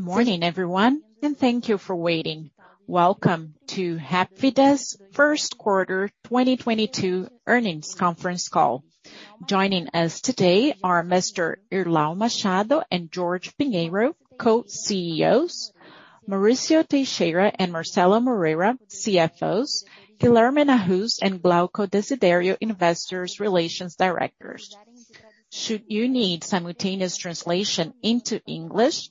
Good morning, everyone, and thank you for waiting. Welcome to Hapvida's first quarter 2022 earnings conference call. Joining us today are Mr. Irlau Machado and Jorge Pinheiro, co-CEOs. Maurício Teixeira and Marcelo Moreira, CFOs. Guilherme Arruda and Glauco Desidério, Investor Relations directors. Should you need simultaneous translation into English,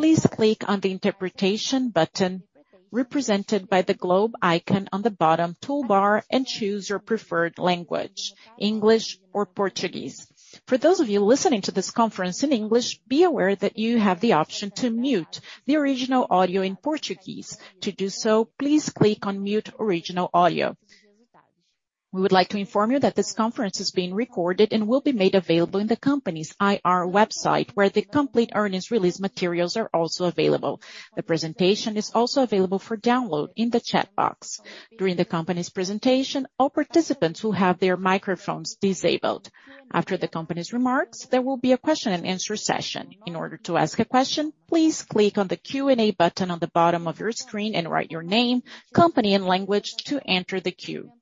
please click on the interpretation button represented by the globe icon on the bottom toolbar and choose your preferred language, English or Portuguese. For those of you listening to this conference in English, be aware that you have the option to mute the original audio in Portuguese. To do so, please click on Mute Original Audio. We would like to inform you that this conference is being recorded and will be made available in the company's IR website, where the complete earnings release materials are also available. The presentation is also available for download in the chat box. During the company's presentation, all participants will have their microphones disabled. After the company's remarks, there will be a question-and-answer session. In order to ask a question, please click on the Q&A button on the bottom of your screen and write your name, company, and language to enter the queue.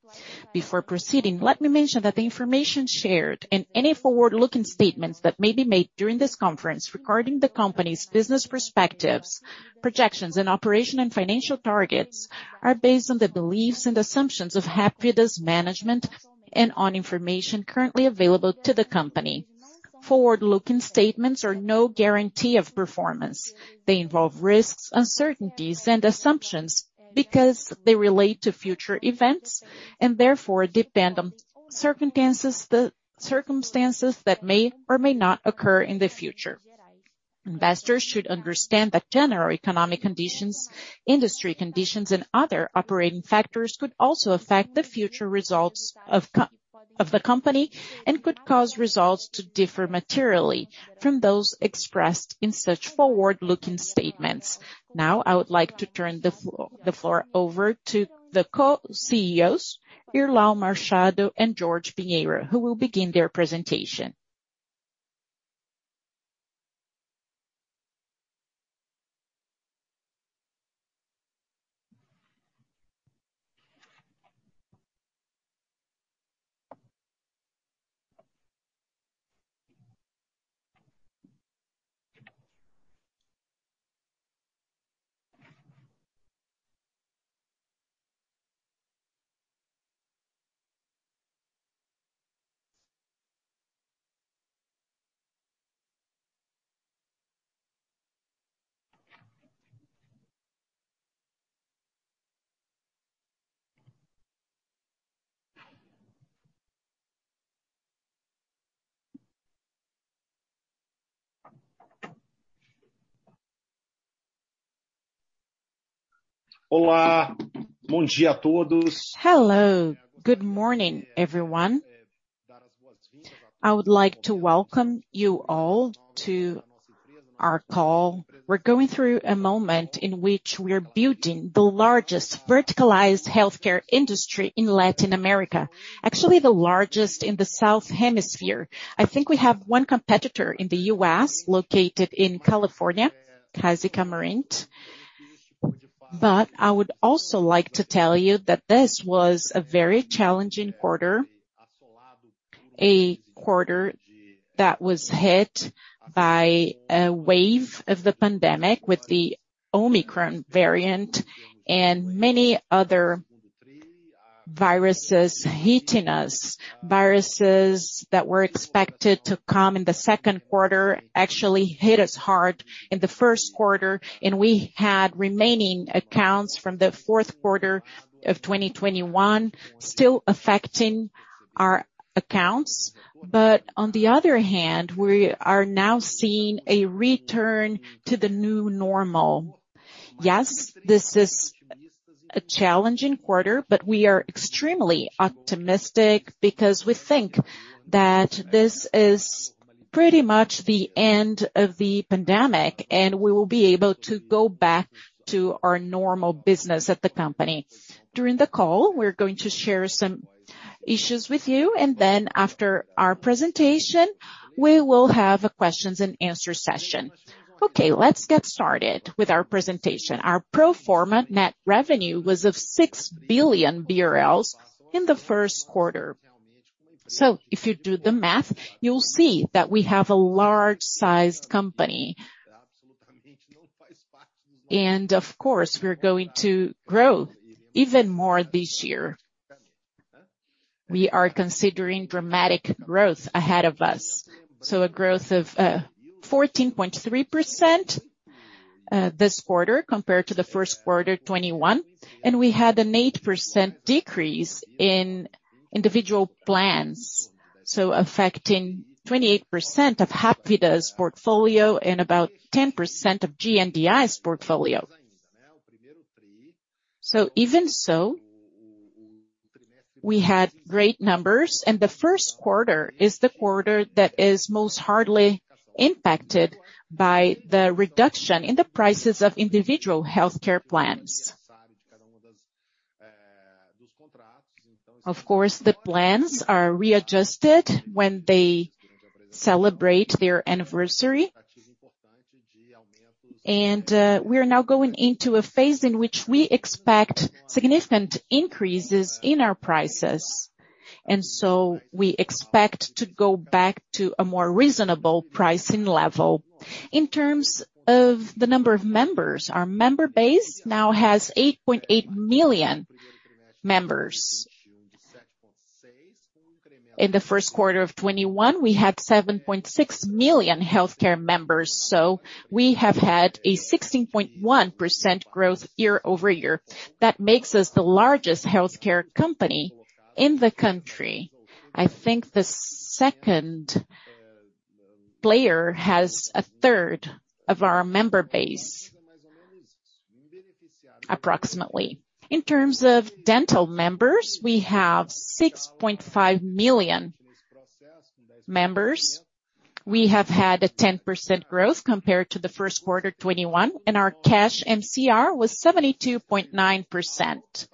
Before proceeding, let me mention that the information shared and any forward-looking statements that may be made during this conference regarding the company's business perspectives, projections, and operation and financial targets are based on the beliefs and assumptions of Hapvida's management and on information currently available to the company. Forward-looking statements are no guarantee of performance. They involve risks, uncertainties, and assumptions because they relate to future events and therefore depend on circumstances that may or may not occur in the future. Investors should understand that general economic conditions, industry conditions, and other operating factors could also affect the future results of the company and could cause results to differ materially from those expressed in such forward-looking statements. Now, I would like to turn the floor over to the Co-CEOs, Irlau Machado and Jorge Pinheiro, who will begin their presentation. Hello. Good morning, everyone. I would like to welcome you all to our call. We're going through a moment in which we are building the largest verticalized healthcare industry in Latin America. Actually, the largest in the Southern Hemisphere. I think we have one competitor in the U.S. located in California, Kaiser Permanente. I would also like to tell you that this was a very challenging quarter. A quarter that was hit by a wave of the pandemic with the Omicron variant and many other viruses hitting us. Viruses that were expected to come in the second quarter actually hit us hard in the first quarter, and we had remaining accounts from the fourth quarter of 2021 still affecting our accounts. On the other hand, we are now seeing a return to the new normal. Yes, this is a challenging quarter, but we are extremely optimistic because we think that this is pretty much the end of the pandemic, and we will be able to go back to our normal business at the company. During the call, we're going to share some issues with you. Then after our presentation, we will have a questions and answer session. Okay. Let's get started with our presentation. Our pro forma net revenue was 6 billion BRL in the first quarter. If you do the math, you'll see that we have a large-sized company. Of course, we're going to grow even more this year. We are considering dramatic growth ahead of us. A growth of 14.3% this quarter compared to the first quarter 2021. We had an 8% decrease in individual plans, so affecting 28% of Hapvida's portfolio and about 10% of GNDI's portfolio. Even so, we had great numbers. The first quarter is the quarter that is most heavily impacted by the reduction in the prices of individual healthcare plans. Of course, the plans are readjusted when they celebrate their anniversary. We are now going into a phase in which we expect significant increases in our prices. We expect to go back to a more reasonable pricing level. In terms of the number of members, our member base now has 8.8 million members. In the first quarter of 2021, we had 7.6 million healthcare members. We have had a 16.1% growth year-over-year. That makes us the largest healthcare company in the country. I think the second player has a third of our member base approximately. In terms of dental members, we have 6.5 million members. We have had a 10% growth compared to the first quarter 2021, and our cash MCR was 72.9%.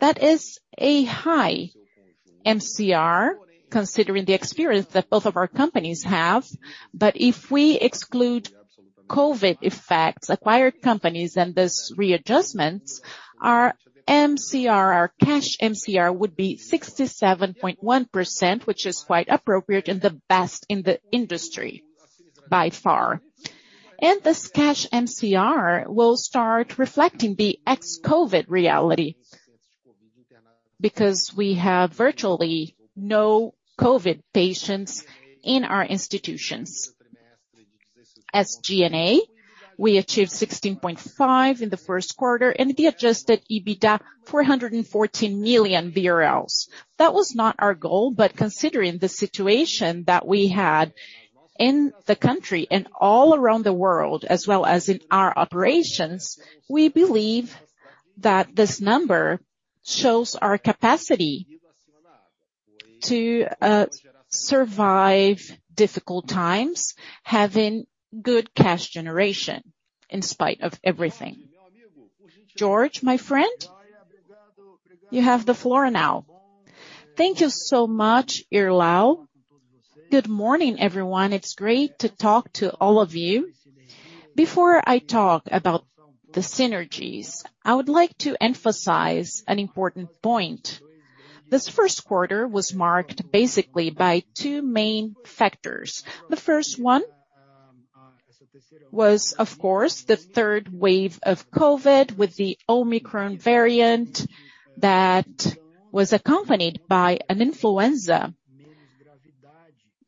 That is a high MCR considering the experience that both of our companies have. If we exclude COVID effects, acquired companies and these readjustments, our MCR, our cash MCR would be 67.1%, which is quite appropriate and the best in the industry by far. This cash MCR will start reflecting the ex-COVID reality because we have virtually no COVID patients in our institutions. As GNDI, we achieved 16.5% in the first quarter, and the Adjusted EBITDA, 414 million BRL. That was not our goal, but considering the situation that we had in the country and all around the world, as well as in our operations, we believe that this number shows our capacity to survive difficult times, having good cash generation in spite of everything. Jorge, my friend, you have the floor now. Thank you so much, Irlau. Good morning, everyone. It's great to talk to all of you. Before I talk about the synergies, I would like to emphasize an important point. This first quarter was marked basically by two main factors. The first one was, of course, the third wave of COVID with the Omicron variant that was accompanied by an influenza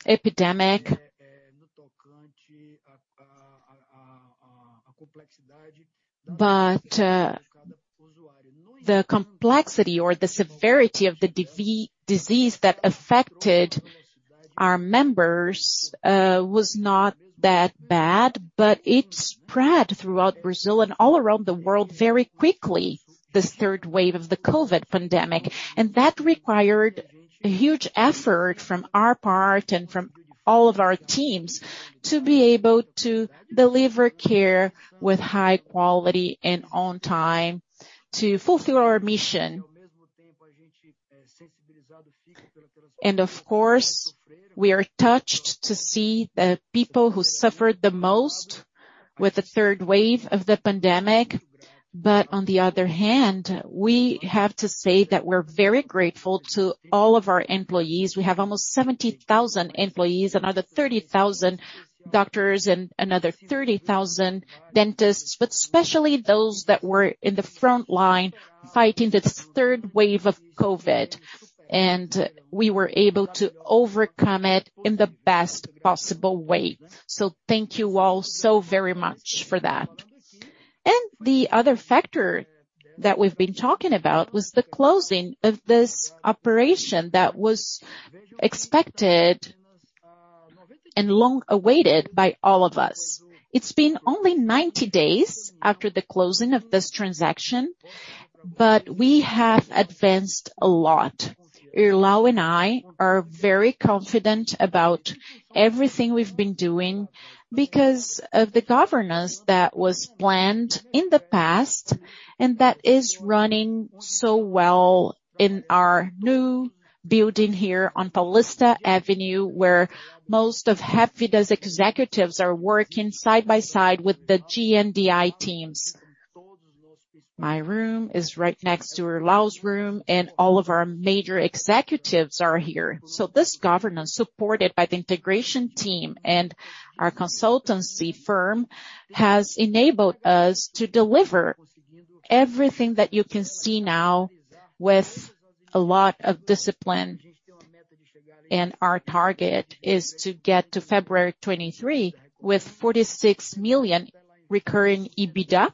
epidemic. The complexity or the severity of the disease that affected our members was not that bad, but it spread throughout Brazil and all around the world very quickly, this third wave of the COVID pandemic. That required a huge effort from our part and from all of our teams to be able to deliver care with high quality and on time to fulfill our mission. Of course, we are touched to see the people who suffered the most with the third wave of the pandemic. On the other hand, we have to say that we're very grateful to all of our employees. We have almost 70,000 employees, another 30,000 doctors and another 30,000 dentists, but especially those that were in the front line fighting this third wave of COVID. We were able to overcome it in the best possible way. Thank you all so very much for that. The other factor that we've been talking about was the closing of this operation that was expected and long-awaited by all of us. It's been only 90 days after the closing of this transaction, but we have advanced a lot. Irlau and I are very confident about everything we've been doing because of the governance that was planned in the past and that is running so well in our new building here on Paulista Avenue, where most of Hapvida's executives are working side by side with the GNDI teams. My room is right next to Irlau's room, and all of our major executives are here. This governance, supported by the integration team and our consultancy firm, has enabled us to deliver everything that you can see now with a lot of discipline. Our target is to get to February 2023 with 46 million recurring EBITDA.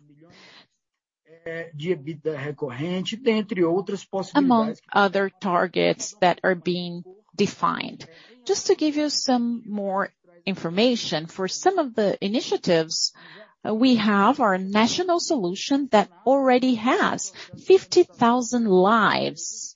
Among other targets that are being defined. Just to give you some more information, for some of the initiatives, we have our national solution that already has 50,000 lives.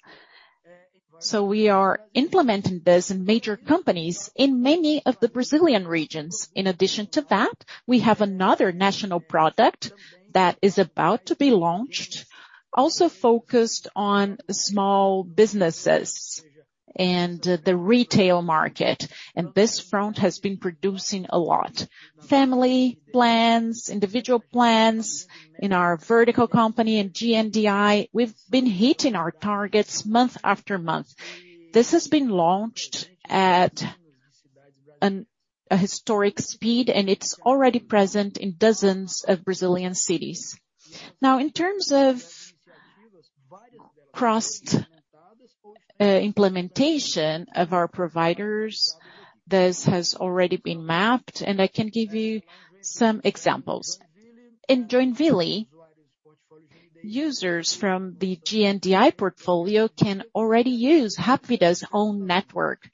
We are implementing this in major companies in many of the Brazilian regions. In addition to that, we have another national product that is about to be launched, also focused on small businesses and the retail market. This front has been producing a lot. Family plans, individual plans in our vertical company and GNDI, we've been hitting our targets month after month. This has been launched at a historic speed, and it's already present in dozens of Brazilian cities. Now, in terms of crossed implementation of our providers, this has already been mapped, and I can give you some examples. In Joinville, users from the GNDI portfolio can already use Hapvida's own network.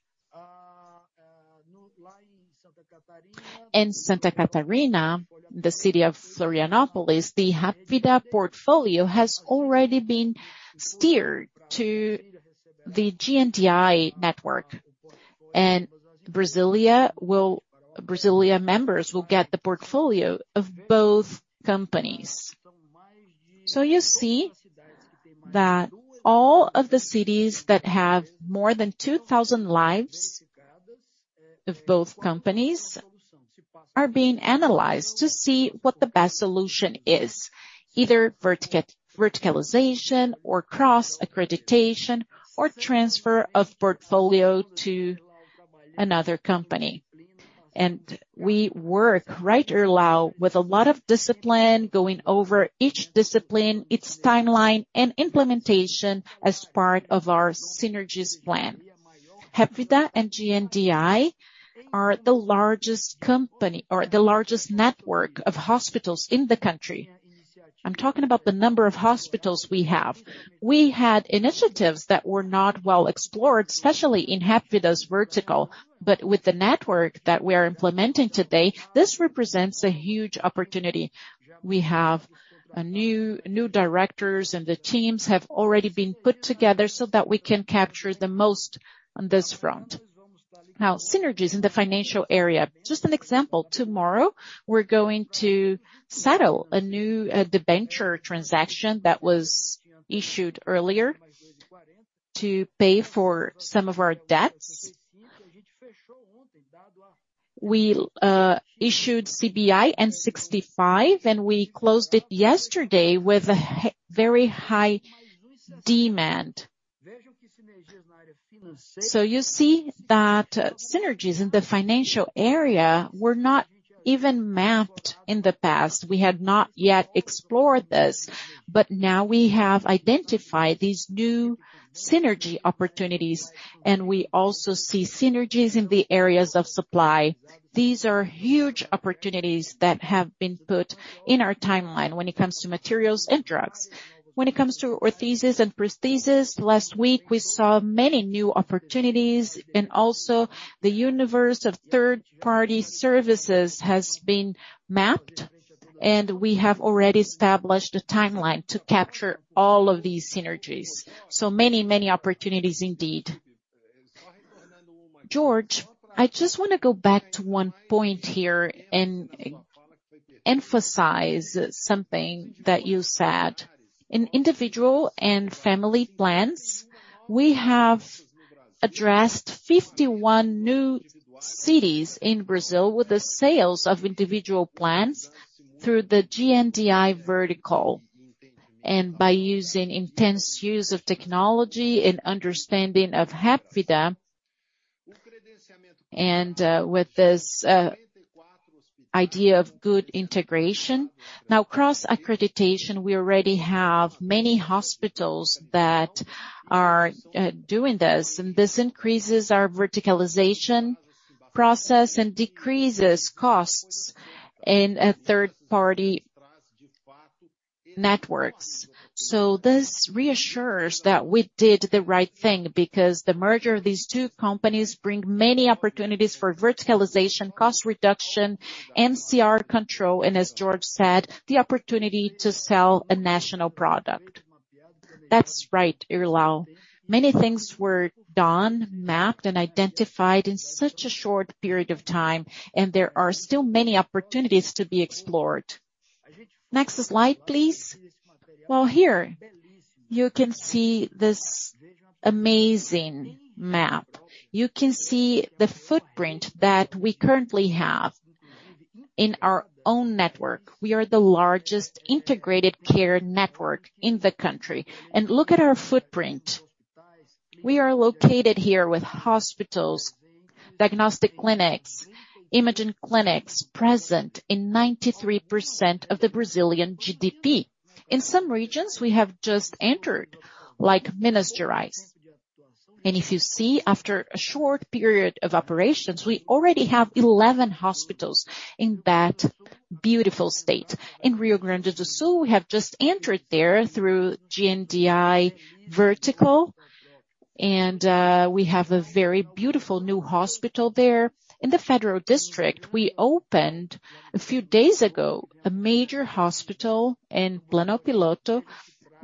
In Santa Catarina, the city of Florianópolis, the Hapvida portfolio has already been steered to the GNDI network. Brasília members will get the portfolio of both companies. You see that all of the cities that have more than 2,000 lives of both companies are being analyzed to see what the best solution is, either verticalization or cross-accreditation or transfer of portfolio to another company. We work right, Irlau, with a lot of discipline, going over each discipline, its timeline and implementation as part of our synergies plan. Hapvida and GNDI are the largest company or the largest network of hospitals in the country. I'm talking about the number of hospitals we have. We had initiatives that were not well explored, especially in Hapvida's vertical, but with the network that we are implementing today, this represents a huge opportunity. We have new directors and the teams have already been put together so that we can capture the most on this front. Now, synergies in the financial area. Just an example, tomorrow we're going to settle a new debenture transaction that was issued earlier to pay for some of our debts. We issued CRI 65, and we closed it yesterday with very high demand. You see that synergies in the financial area were not even mapped in the past. We had not yet explored this, but now we have identified these new synergy opportunities, and we also see synergies in the areas of supply. These are huge opportunities that have been put in our timeline when it comes to materials and drugs. When it comes to orthosis and prosthesis, last week we saw many new opportunities, and also the universe of third-party services has been mapped, and we have already established a timeline to capture all of these synergies. Many, many opportunities indeed. Jorge, I just wanna go back to one point here and emphasize something that you said. In individual and family plans, we have addressed 51 new cities in Brazil with the sales of individual plans through the GNDI vertical. By using intense use of technology and understanding of Hapvida, and with this idea of good integration. Now, cross-accreditation, we already have many hospitals that are doing this, and this increases our verticalization process and decreases costs in a third-party networks. This reassures that we did the right thing because the merger of these two companies bring many opportunities for verticalization, cost reduction, MCR control, and as Jorge said, the opportunity to sell a national product. That's right, Irlau. Many things were done, mapped, and identified in such a short period of time, and there are still many opportunities to be explored. Next slide, please. Well, here you can see this amazing map. You can see the footprint that we currently have. In our own network, we are the largest integrated care network in the country. Look at our footprint. We are located here with hospitals, diagnostic clinics, imaging clinics present in 93% of the Brazilian GDP. In some regions, we have just entered, like Minas Gerais. If you see, after a short period of operations, we already have 11 hospitals in that beautiful state. In Rio Grande do Sul, we have just entered there through GNDI vertical, and we have a very beautiful new hospital there. In the Federal District, we opened a few days ago a major hospital in Planaltina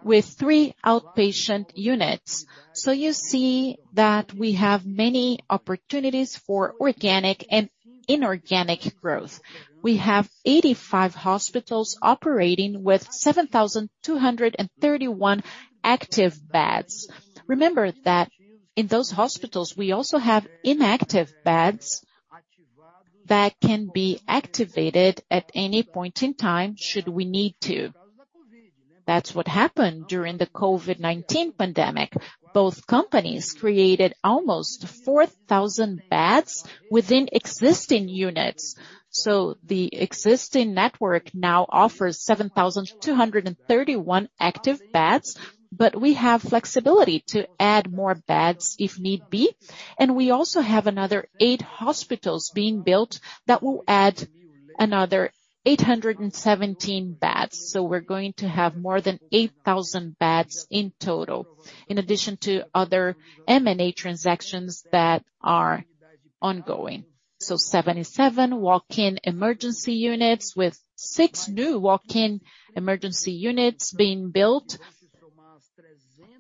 with three outpatient units. You see that we have many opportunities for organic and inorganic growth. We have 85 hospitals operating with 7,231 active beds. Remember that in those hospitals, we also have inactive beds that can be activated at any point in time should we need to. That's what happened during the COVID-19 pandemic. Both companies created almost 4,000 beds within existing units. The existing network now offers 7,231 active beds, but we have flexibility to add more beds if need be. We also have another eight hospitals being built that will add another 817 beds. We're going to have more than 8,000 beds in total, in addition to other M&A transactions that are ongoing. 77 walk-in emergency units with six new walk-in emergency units being built.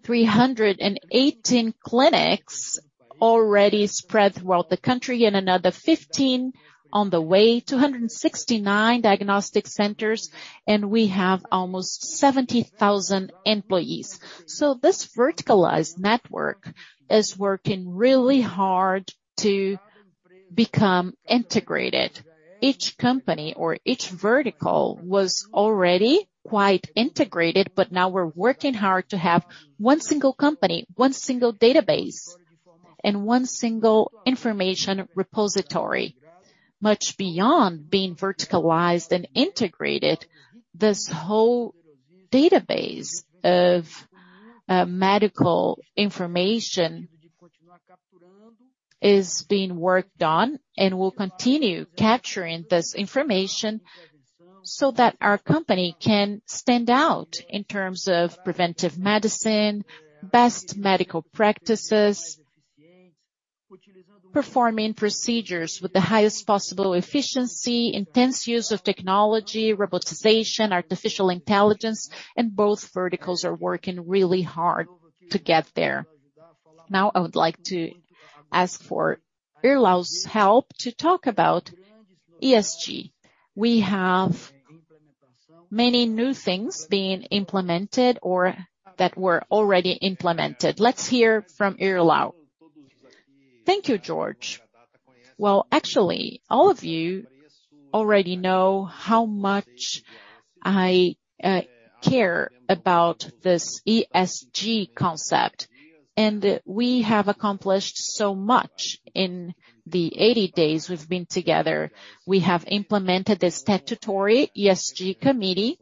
318 clinics already spread throughout the country and another 15 on the way. 269 diagnostic centers, and we have almost 70,000 employees. This verticalized network is working really hard to become integrated. Each company or each vertical was already quite integrated, but now we're working hard to have one single company, one single database, and one single information repository. Much beyond being verticalized and integrated, this whole database of medical information is being worked on and will continue capturing this information so that our company can stand out in terms of preventive medicine, best medical practices, performing procedures with the highest possible efficiency, intense use of technology, robotization, artificial intelligence, and both verticals are working really hard to get there. Now, I would like to ask for Irlau's help to talk about ESG. We have many new things being implemented or that were already implemented. Let's hear from Irlau. Thank you, Jorge. Well, actually, all of you already know how much I care about this ESG concept. We have accomplished so much in the 80 days we've been together. We have implemented the statutory ESG committee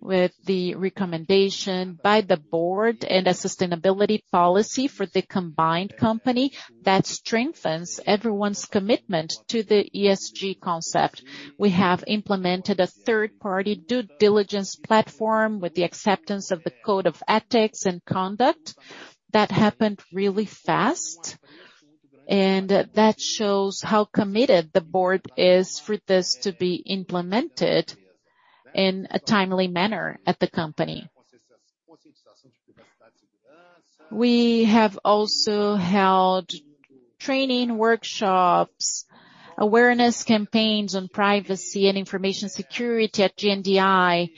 with the recommendation by the board and a sustainability policy for the combined company that strengthens everyone's commitment to the ESG concept. We have implemented a third-party due diligence platform with the acceptance of the Code of Ethics and Conduct. That happened really fast, and that shows how committed the board is for this to be implemented in a timely manner at the company. We have also held training workshops, awareness campaigns on privacy and information security at GNDI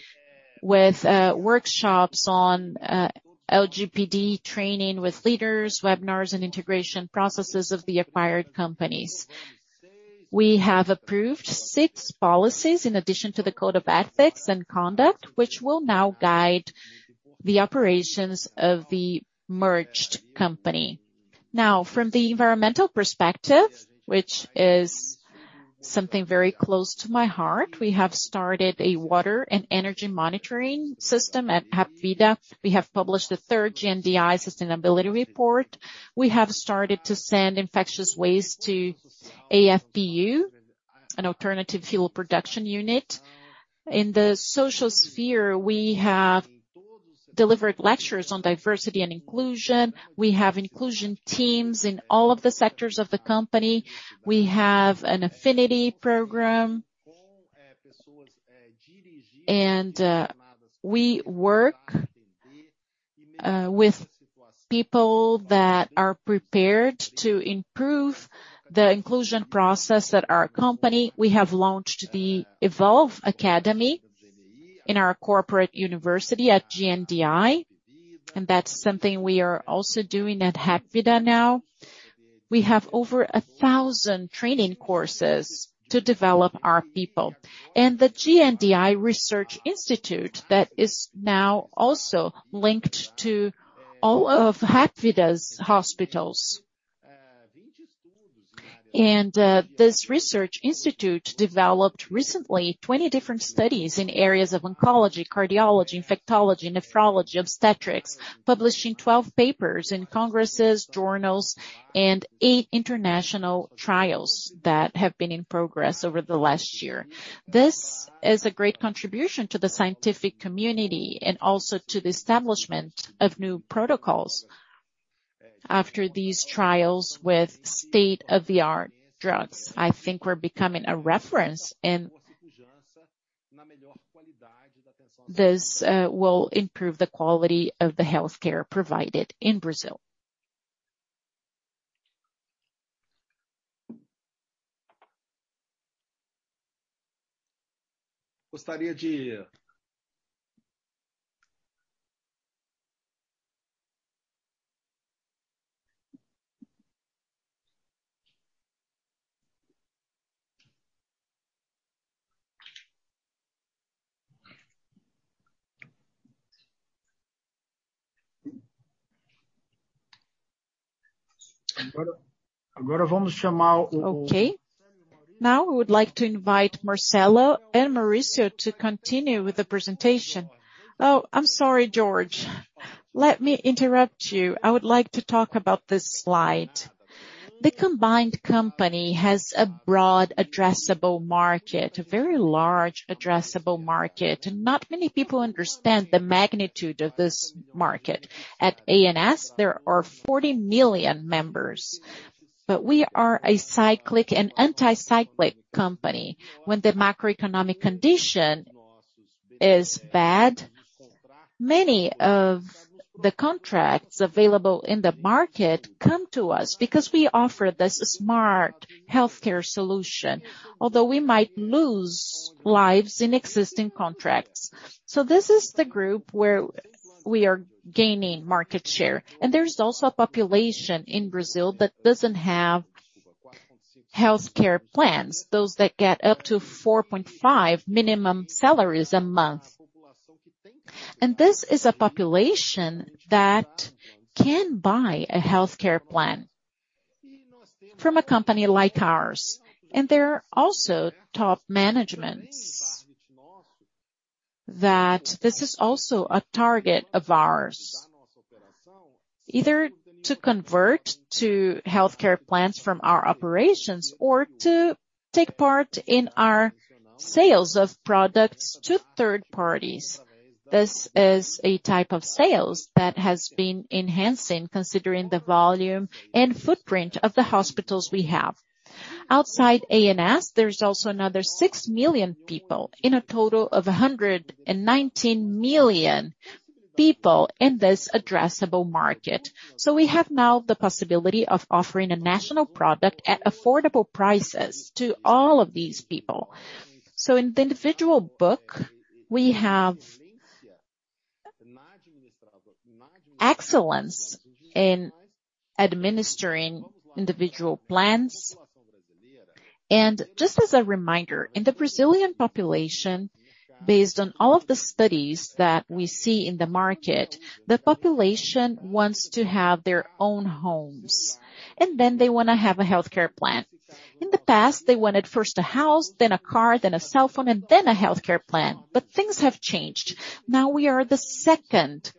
with workshops on LGPD training with leaders, webinars, and integration processes of the acquired companies. We have approved six policies in addition to the Code of Ethics and Conduct, which will now guide the operations of the merged company. From the environmental perspective, which is something very close to my heart, we have started a water and energy monitoring system at Hapvida. We have published the third GNDI sustainability report. We have started to send infectious waste to AFPU, an alternative fuel production unit. In the social sphere, we have delivered lectures on diversity and inclusion. We have inclusion teams in all of the sectors of the company. We have an affinity program. We work with people that are prepared to improve the inclusion process at our company. We have launched the Evolve Academy in our corporate university at GNDI, and that's something we are also doing at Hapvida now. We have over 1,000 training courses to develop our people. The GNDI Research Institute that is now also linked to all of Hapvida's hospitals. This research institute developed recently 20 different studies in areas of oncology, cardiology, infectology, nephrology, obstetrics, publishing 12 papers in congresses, journals, and eight international trials that have been in progress over the last year. This is a great contribution to the scientific community and also to the establishment of new protocols. After these trials with state-of-the-art drugs, I think we're becoming a reference and this will improve the quality of the healthcare provided in Brazil. Okay. Now, we would like to invite Marcelo and Mauricio to continue with the presentation. Oh, I'm sorry, Jorge. Let me interrupt you. I would like to talk about this slide. The combined company has a broad addressable market, a very large addressable market. Not many people understand the magnitude of this market. At ANS, there are 40 million members. We are a cyclical and counter-cyclical company. When the macroeconomic condition is bad, many of the contracts available in the market come to us because we offer this smart healthcare solution, although we might lose lives in existing contracts. This is the group where we are gaining market share. There's also a population in Brazil that doesn't have healthcare plans, those that get up to 4.5 minimum salaries a month. This is a population that can buy a healthcare plan from a company like ours. There also top managements that this is also a target of ours, either to convert to healthcare plans from our operations or to take part in our sales of products to third parties. This is a type of sales that has been enhancing considering the volume and footprint of the hospitals we have. Outside ANS, there's also another 6 million people in a total of 119 million people in this addressable market. We have now the possibility of offering a national product at affordable prices to all of these people. In the individual book, we have excellence in administering individual plans. Just as a reminder, in the Brazilian population, based on all of the studies that we see in the market, the population wants to have their own homes, and then they wanna have a healthcare plan. In the past, they wanted first a house, then a car, then a cell phone, and then a healthcare plan. Things have changed. Now, we are the second, the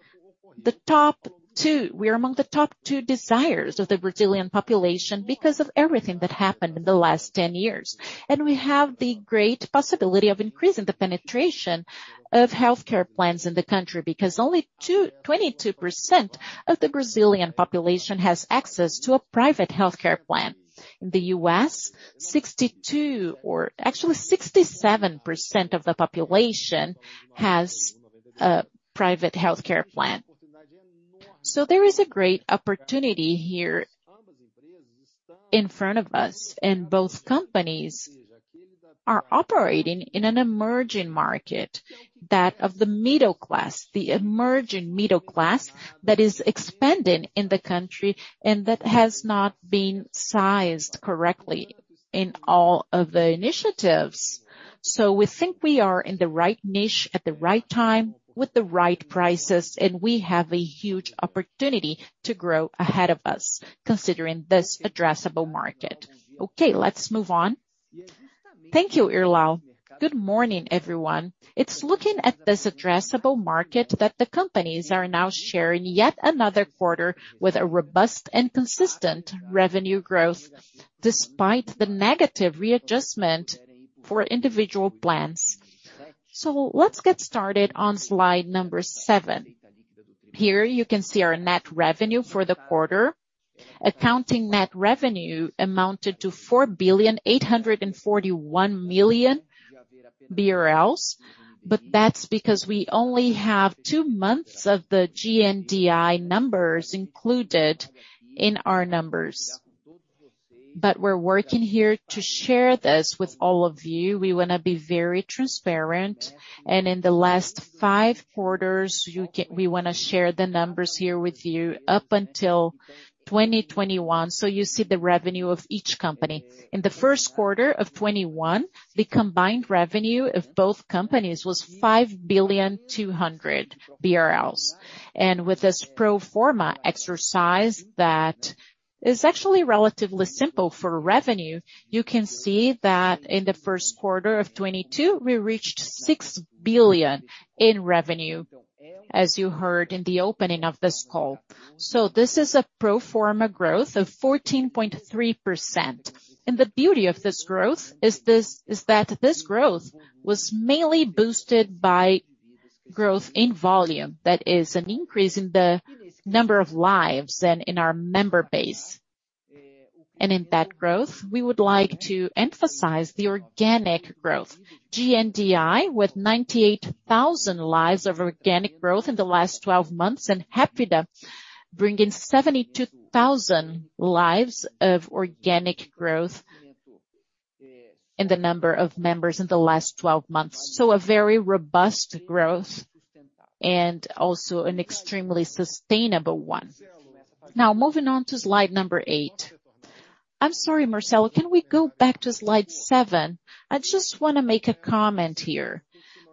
top two. We are among the top two desires of the Brazilian population because of everything that happened in the last 10 years. We have the great possibility of increasing the penetration of healthcare plans in the country because only 22% of the Brazilian population has access to a private healthcare plan. In the U.S., 62 or actually 67% of the population has a private healthcare plan. There is a great opportunity here in front of us, and both companies are operating in an emerging market, that of the middle class, the emerging middle class that is expanding in the country and that has not been sized correctly in all of the initiatives. We think we are in the right niche at the right time with the right prices, and we have a huge opportunity to grow ahead of us considering this addressable market. Okay, let's move on. Thank you, Irlau. Good morning, everyone. It's looking at this addressable market that the companies are now sharing yet another quarter with a robust and consistent revenue growth despite the negative readjustment for individual plans. Let's get started on slide seven. Here you can see our net revenue for the quarter. Accounting net revenue amounted to 4.841 billion, but that's because we only have two months of the GNDI numbers included in our numbers. We're working here to share this with all of you. We wanna be very transparent. In the last five quarters, we wanna share the numbers here with you up until 2021. You see the revenue of each company. In the first quarter of 2021, the combined revenue of both companies was 5.2 billion. With this pro forma exercise that is actually relatively simple for revenue, you can see that in the first quarter of 2022, we reached 6 billion in revenue, as you heard in the opening of this call. This is a pro forma growth of 14.3%. The beauty of this growth is that this growth was mainly boosted by growth in volume, that is an increase in the number of lives and in our member base. In that growth, we would like to emphasize the organic growth. GNDI, with 98,000 lives of organic growth in the last 12 months, and Hapvida bringing 72,000 lives of organic growth in the number of members in the last twelve months. A very robust growth and also an extremely sustainable one. Now, moving on to slide number eight. I'm sorry, Marcelo, can we go back to slide seven? I just wanna make a comment here.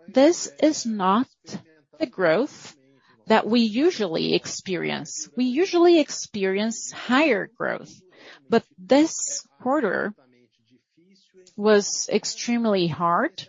This is not the growth that we usually experience. We usually experience higher growth. This quarter was extremely hard,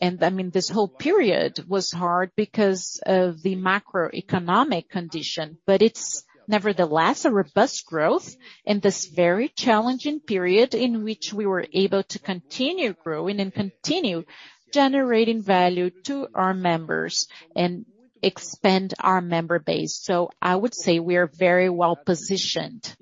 and I mean, this whole period was hard because of the macroeconomic condition. It's nevertheless a robust growth in this very challenging period in which we were able to continue growing and continue generating value to our members and expand our member base. I would say we are very well-positioned.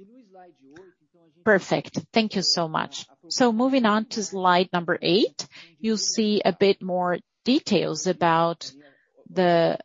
Perfect. Thank you so much. Moving on to slide number eight, you'll see a bit more details about the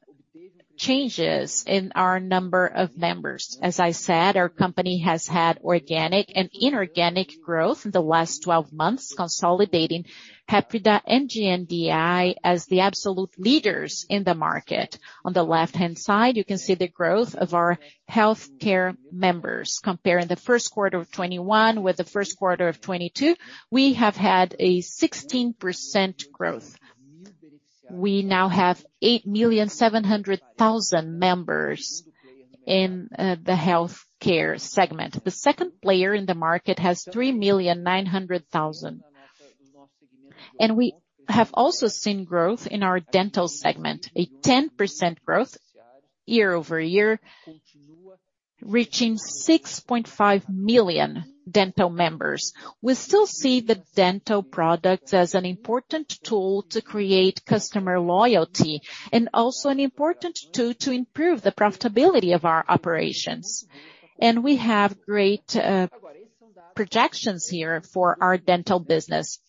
changes in our number of members. As I said, our company has had organic and inorganic growth in the last 12 months, consolidating Hapvida and GNDI as the absolute leaders in the market. On the left-hand side, you can see the growth of our healthcare members. Comparing the first quarter of 2021 with the first quarter of 2022, we have had a 16% growth. We now have 8.7 million members in the healthcare segment. The second player in the market has 3.9 million. We have also seen growth in our dental segment, a 10% growth year-over-year, reaching 6.5 million dental members. We still see the dental product as an important tool to create customer loyalty and also an important tool to improve the profitability of our operations. We have great projections here for our dental business.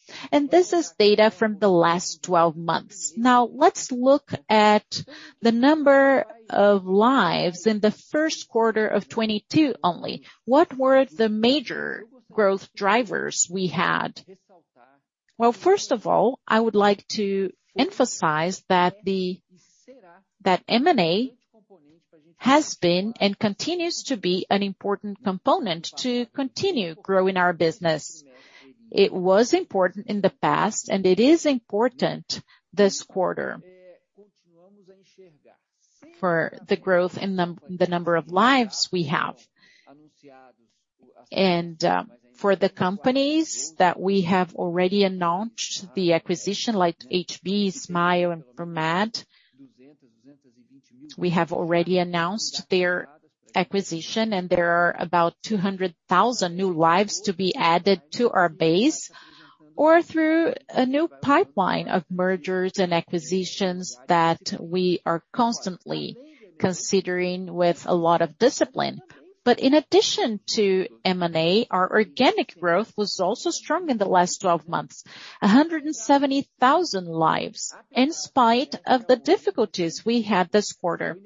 This is data from the last 12 months. Now, let's look at the number of lives in the first quarter of 2022 only. What were the major growth drivers we had? Well, first of all, I would like to emphasize that M&A has been and continues to be an important component to continue growing our business. It was important in the past, and it is important this quarter for the growth in the number of lives we have. For the companies that we have already announced the acquisition, like HB, Smile, and Promed, we have already announced their acquisition, and there are about 200,000 new lives to be added to our base. Through a new pipeline of mergers and acquisitions that we are constantly considering with a lot of discipline. In addition to M&A, our organic growth was also strong in the last 12 months, 170,000 lives, in spite of the difficulties we had this quarter.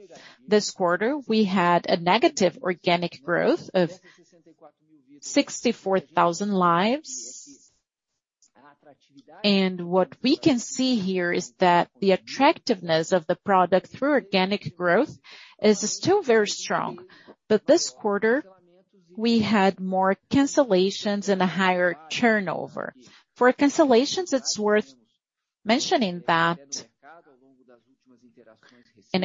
This quarter, we had a negative organic growth of 64,000 lives. What we can see here is that the attractiveness of the product through organic growth is still very strong. This quarter, we had more cancellations and a higher turnover. For cancellations, it's worth mentioning that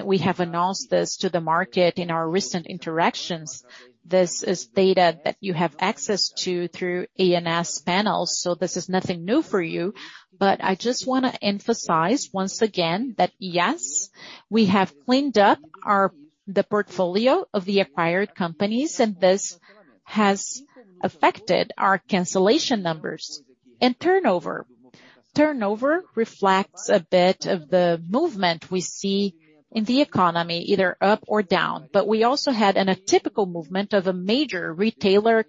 we have announced this to the market in our recent interactions. This is data that you have access to through ANS panels, so this is nothing new for you. I just wanna emphasize once again that, yes, we have cleaned up our, the portfolio of the acquired companies, and this has affected our cancellation numbers and turnover. Turnover reflects a bit of the movement we see in the economy, either up or down. We also had an atypical movement of a major retailer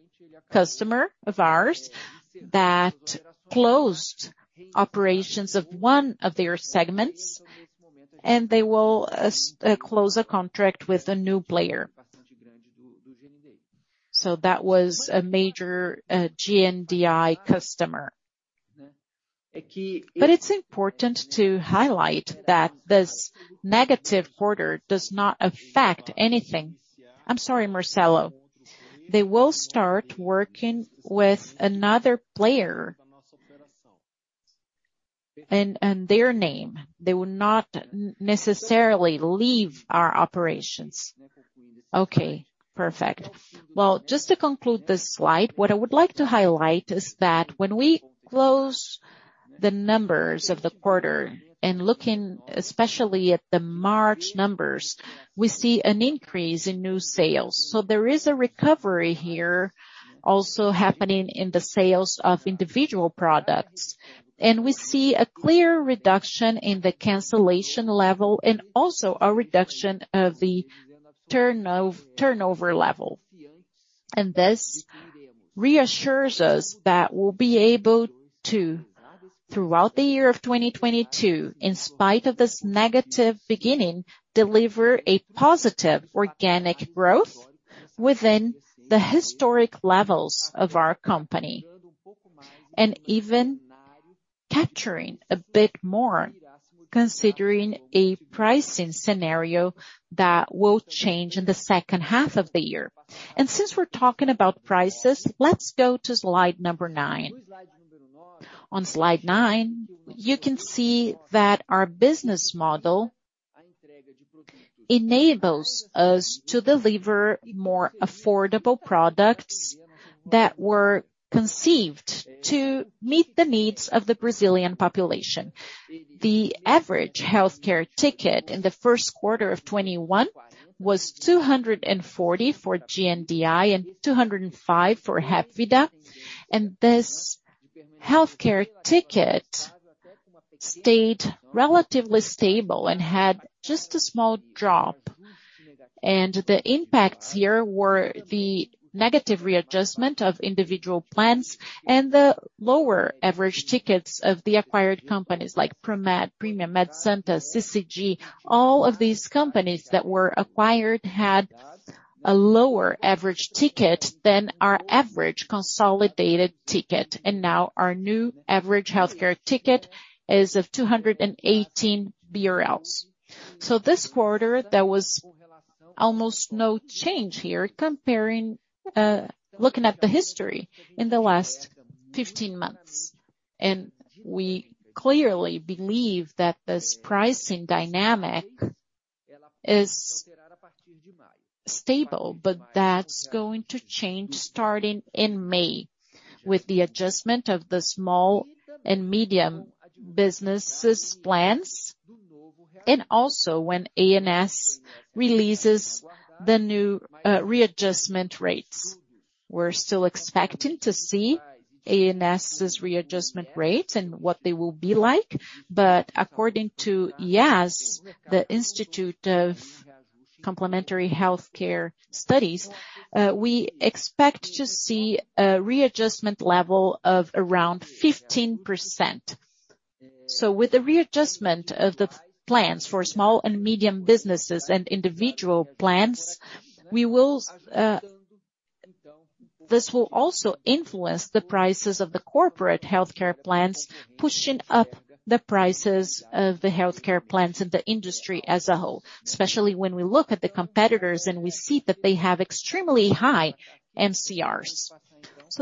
customer of ours that closed operations of one of their segments, and they will close a contract with a new player. That was a major GNDI customer. It's important to highlight that this negative quarter does not affect anything. I'm sorry, Marcelo. They will start working with another player and their name. They will not necessarily leave our operations. Okay, perfect. Just to conclude this slide, what I would like to highlight is that when we close the numbers of the quarter and looking especially at the March numbers, we see an increase in new sales. There is a recovery here also happening in the sales of individual products. We see a clear reduction in the cancellation level, and also a reduction of the turnover level. This reassures us that we'll be able to, throughout the year of 2022, in spite of this negative beginning, deliver a positive organic growth within the historic levels of our company. Even capturing a bit more considering a pricing scenario that will change in the second half of the year. Since we're talking about prices, let's go to slide number nine. On slide nine, you can see that our business model enables us to deliver more affordable products that were conceived to meet the needs of the Brazilian population. The average healthcare ticket in the first quarter of 2021 was 240 for GNDI, and 205 for Hapvida. This healthcare ticket stayed relatively stable and had just a small drop. The impacts here were the negative readjustment of individual plans and the lower average tickets of the acquired companies like Grupo Promed, Premium Saúde, Medcenter, CCG. All of these companies that were acquired had a lower average ticket than our average consolidated ticket. Now our new average healthcare ticket is of 218 BRL. This quarter, there was almost no change here comparing looking at the history in the last 15 months. We clearly believe that this pricing dynamic is stable, but that's going to change starting in May with the adjustment of the small and medium businesses plans, and also when ANS releases the new readjustment rates. We're still expecting to see ANS' readjustment rates and what they will be like. According to IESS, the Institute for Supplementary Healthcare Studies, we expect to see a readjustment level of around 15%. With the readjustment of the plans for small and medium businesses and individual plans, this will also influence the prices of the corporate healthcare plans, pushing up the prices of the healthcare plans and the industry as a whole, especially when we look at the competitors and we see that they have extremely high MCRs.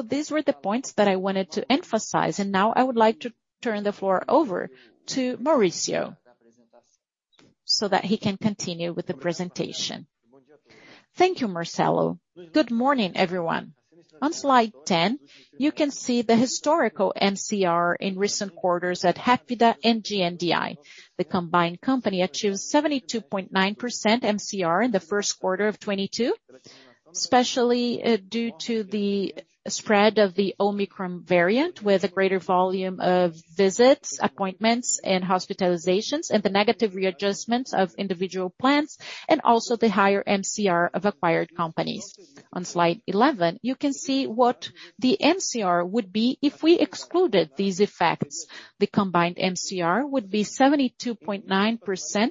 These were the points that I wanted to emphasize. Now, I would like to turn the floor over to Maurício so that he can continue with the presentation. Thank you, Marcelo. Good morning, everyone. On slide 10, you can see the historical MCR in recent quarters at Hapvida and GNDI. The combined company achieved 72.9% MCR in the first quarter of 2022, especially, due to the spread of the Omicron variant with a greater volume of visits, appointments, and hospitalizations, and the negative readjustments of individual plans, and also the higher MCR of acquired companies. On slide 11, you can see what the MCR would be if we excluded these effects. The combined MCR would be 72.9%,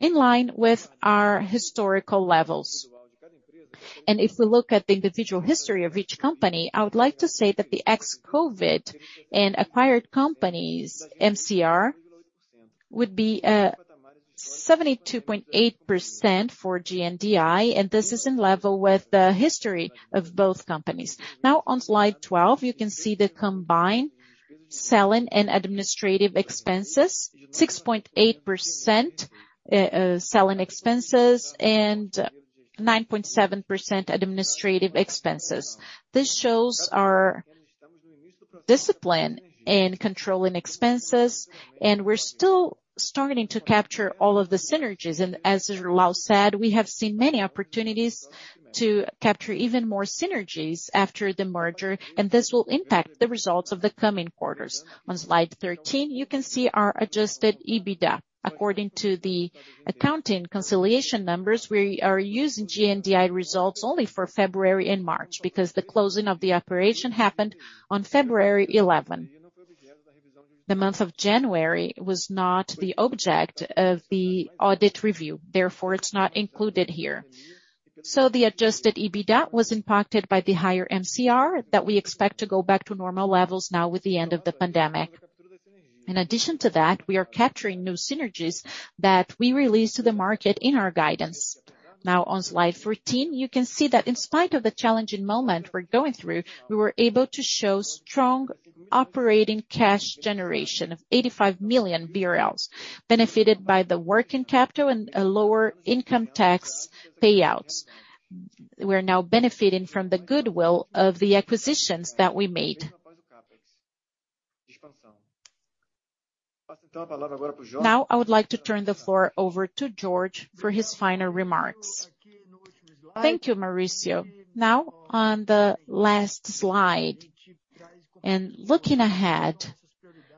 in line with our historical levels. If we look at the individual history of each company, I would like to say that the ex-COVID and acquired companies' MCR would be, 72.8% for GNDI, and this is in line with the history of both companies. Now, on slide 12, you can see the combined selling and administrative expenses, 6.8%, selling expenses and 9.7% administrative expenses. This shows our discipline in controlling expenses, and we're still starting to capture all of the synergies. As Irlau said, we have seen many opportunities to capture even more synergies after the merger, and this will impact the results of the coming quarters. On slide 13, you can see our Adjusted EBITDA. According to the accounting reconciliation numbers, we are using GNDI results only for February and March because the closing of the operation happened on February 11. The month of January was not the object of the audit review, therefore it's not included here. The Adjusted EBITDA was impacted by the higher MCR that we expect to go back to normal levels now with the end of the pandemic. In addition to that, we are capturing new synergies that we released to the market in our guidance. Now, on slide 14, you can see that in spite of the challenging moment we're going through, we were able to show strong operating cash generation of 85 million BRL, benefited by the working capital and a lower income tax payouts. We're now benefiting from the goodwill of the acquisitions that we made. Now, I would like to turn the floor over to Jorge for his final remarks. Thank you, Maurício. Now, on the last slide, and looking ahead,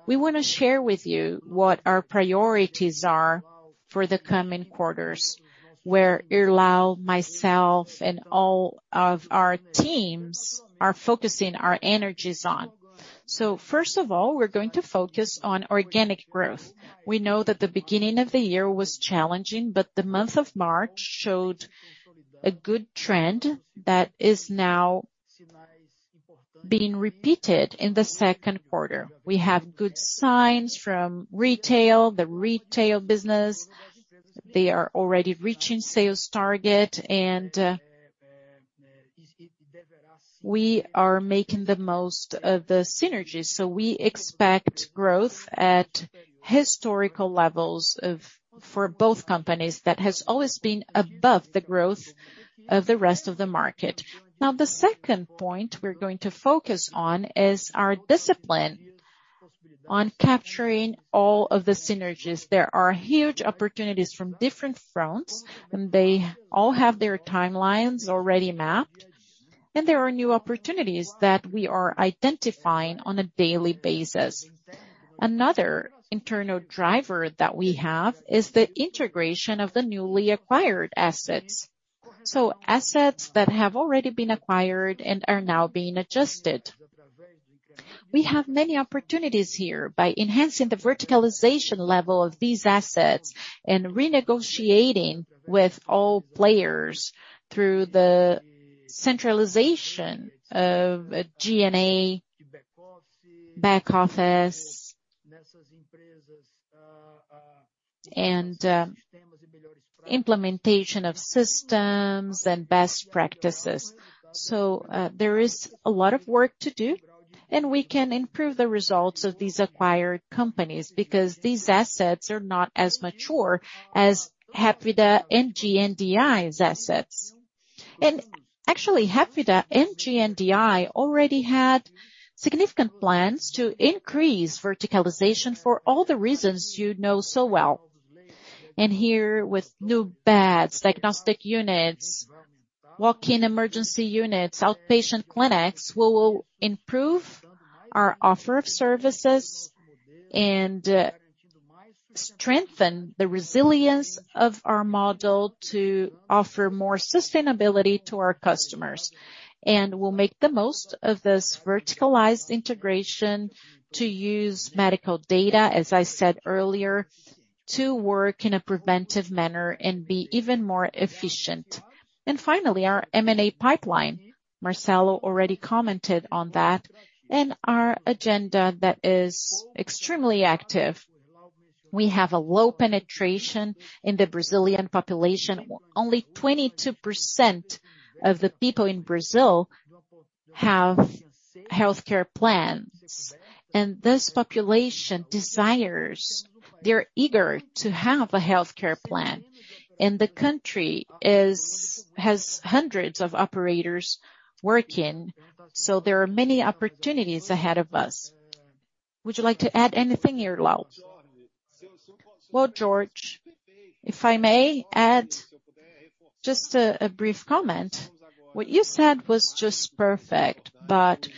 we wanna share with you what our priorities are for the coming quarters, where Irlau, myself, and all of our teams are focusing our energies on. First of all, we're going to focus on organic growth. We know that the beginning of the year was challenging, but the month of March showed a good trend that is now being repeated in the second quarter. We have good signs from retail. The retail business, they are already reaching sales target, and we are making the most of the synergies. We expect growth at historical levels for both companies that has always been above the growth of the rest of the market. Now, the second point we're going to focus on is our discipline on capturing all of the synergies. There are huge opportunities from different fronts, and they all have their timelines already mapped, and there are new opportunities that we are identifying on a daily basis. Another internal driver that we have is the integration of the newly acquired assets. Assets that have already been acquired and are now being adjusted. We have many opportunities here by enhancing the verticalization level of these assets and renegotiating with all players through the centralization of G&A back office, implementation of systems and best practices. There is a lot of work to do, and we can improve the results of these acquired companies because these assets are not as mature as Hapvida and GNDI's assets. Actually, Hapvida and GNDI already had significant plans to increase verticalization for all the reasons you know so well. Here, with new beds, diagnostic units, walk-in emergency units, outpatient clinics will improve our offer of services and strengthen the resilience of our model to offer more sustainability to our customers. We'll make the most of this verticalized integration to use medical data, as I said earlier, to work in a preventive manner and be even more efficient. Finally, our M&A pipeline. Marcelo already commented on that. Our agenda that is extremely active. We have a low penetration in the Brazilian population. Only 22% of the people in Brazil have healthcare plans. This population desires, they're eager to have a healthcare plan. The country has hundreds of operators working, so there are many opportunities ahead of us. Would you like to add anything, Irlau? Well, Jorge, if I may add just a brief comment. What you said was just perfect, but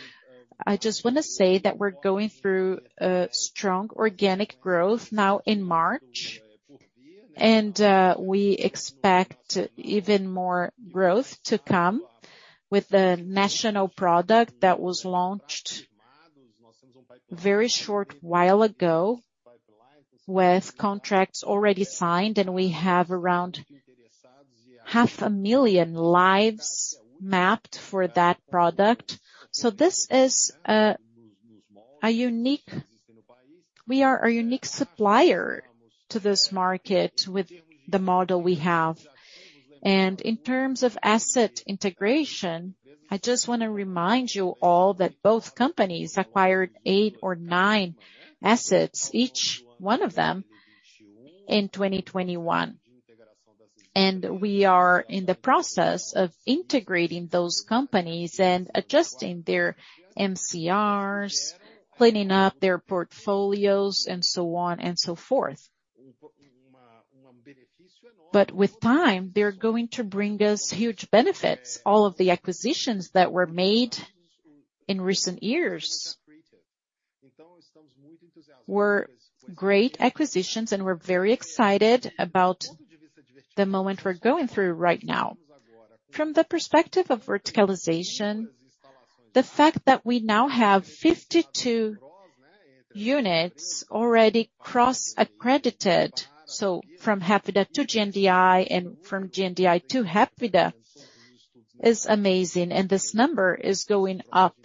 I just wanna say that we're going through a strong organic growth now in March. We expect even more growth to come with the national product that was launched very short while ago with contracts already signed, and we have around 500,000 lives mapped for that product. So this is a unique. We are a unique supplier to this market with the model we have. In terms of asset integration, I just wanna remind you all that both companies acquired eight or nine assets, each one of them in 2021. We are in the process of integrating those companies and adjusting their MCRs, cleaning up their portfolios, and so on and so forth. With time, they're going to bring us huge benefits. All of the acquisitions that were made in recent years were great acquisitions, and we're very excited about the moment we're going through right now. From the perspective of verticalization, the fact that we now have 52 units already cross-accredited, so from Hapvida to GNDI and from GNDI to Hapvida, is amazing. This number is going up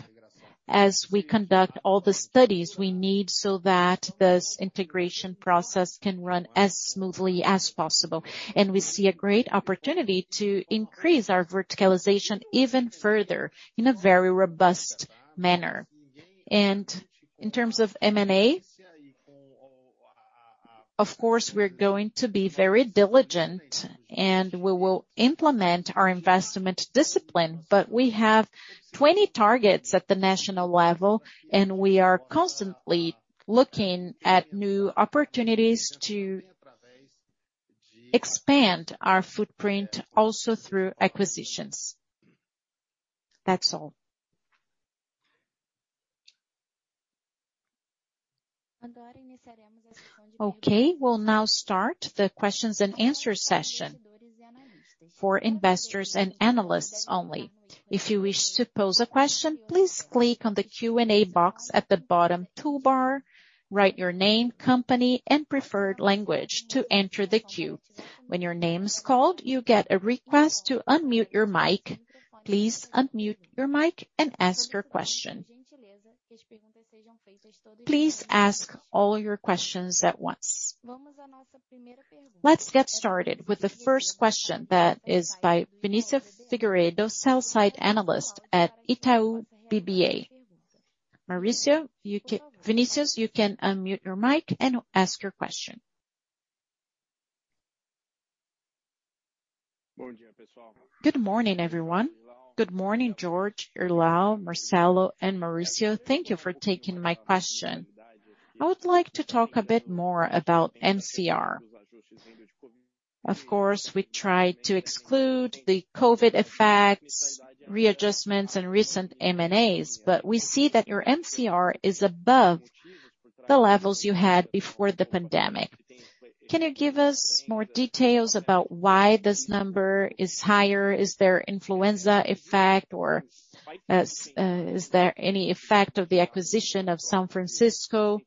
as we conduct all the studies we need so that this integration process can run as smoothly as possible. We see a great opportunity to increase our verticalization even further in a very robust manner. In terms of M&A, of course, we're going to be very diligent, and we will implement our investment discipline. We have 20 targets at the national level, and we are constantly looking at new opportunities to expand our footprint also through acquisitions. That's all. Okay. We'll now start the questions and answer session for investors and analysts only. If you wish to pose a question, please click on the Q&A box at the bottom toolbar. Write your name, company, and preferred language to enter the queue. When your name is called, you get a request to unmute your mic. Please unmute your mic and ask your question. Please ask all your questions at once. Let's get started with the first question. That is by Vinicius Figueiredo, sell-side analyst at Itaú BBA. Vinicius, you can unmute your mic and ask your question. Good morning, everyone. Good morning, Jorge, Irlau, Marcelo, and Maurício. Thank you for taking my question. I would like to talk a bit more about MCR. Of course, we tried to exclude the COVID effects, readjustments, and recent MNAs, but we see that your MCR is above the levels you had before the pandemic. Can you give us more details about why this number is higher? Is there influenza effect or is there any effect of the acquisition of São Francisco?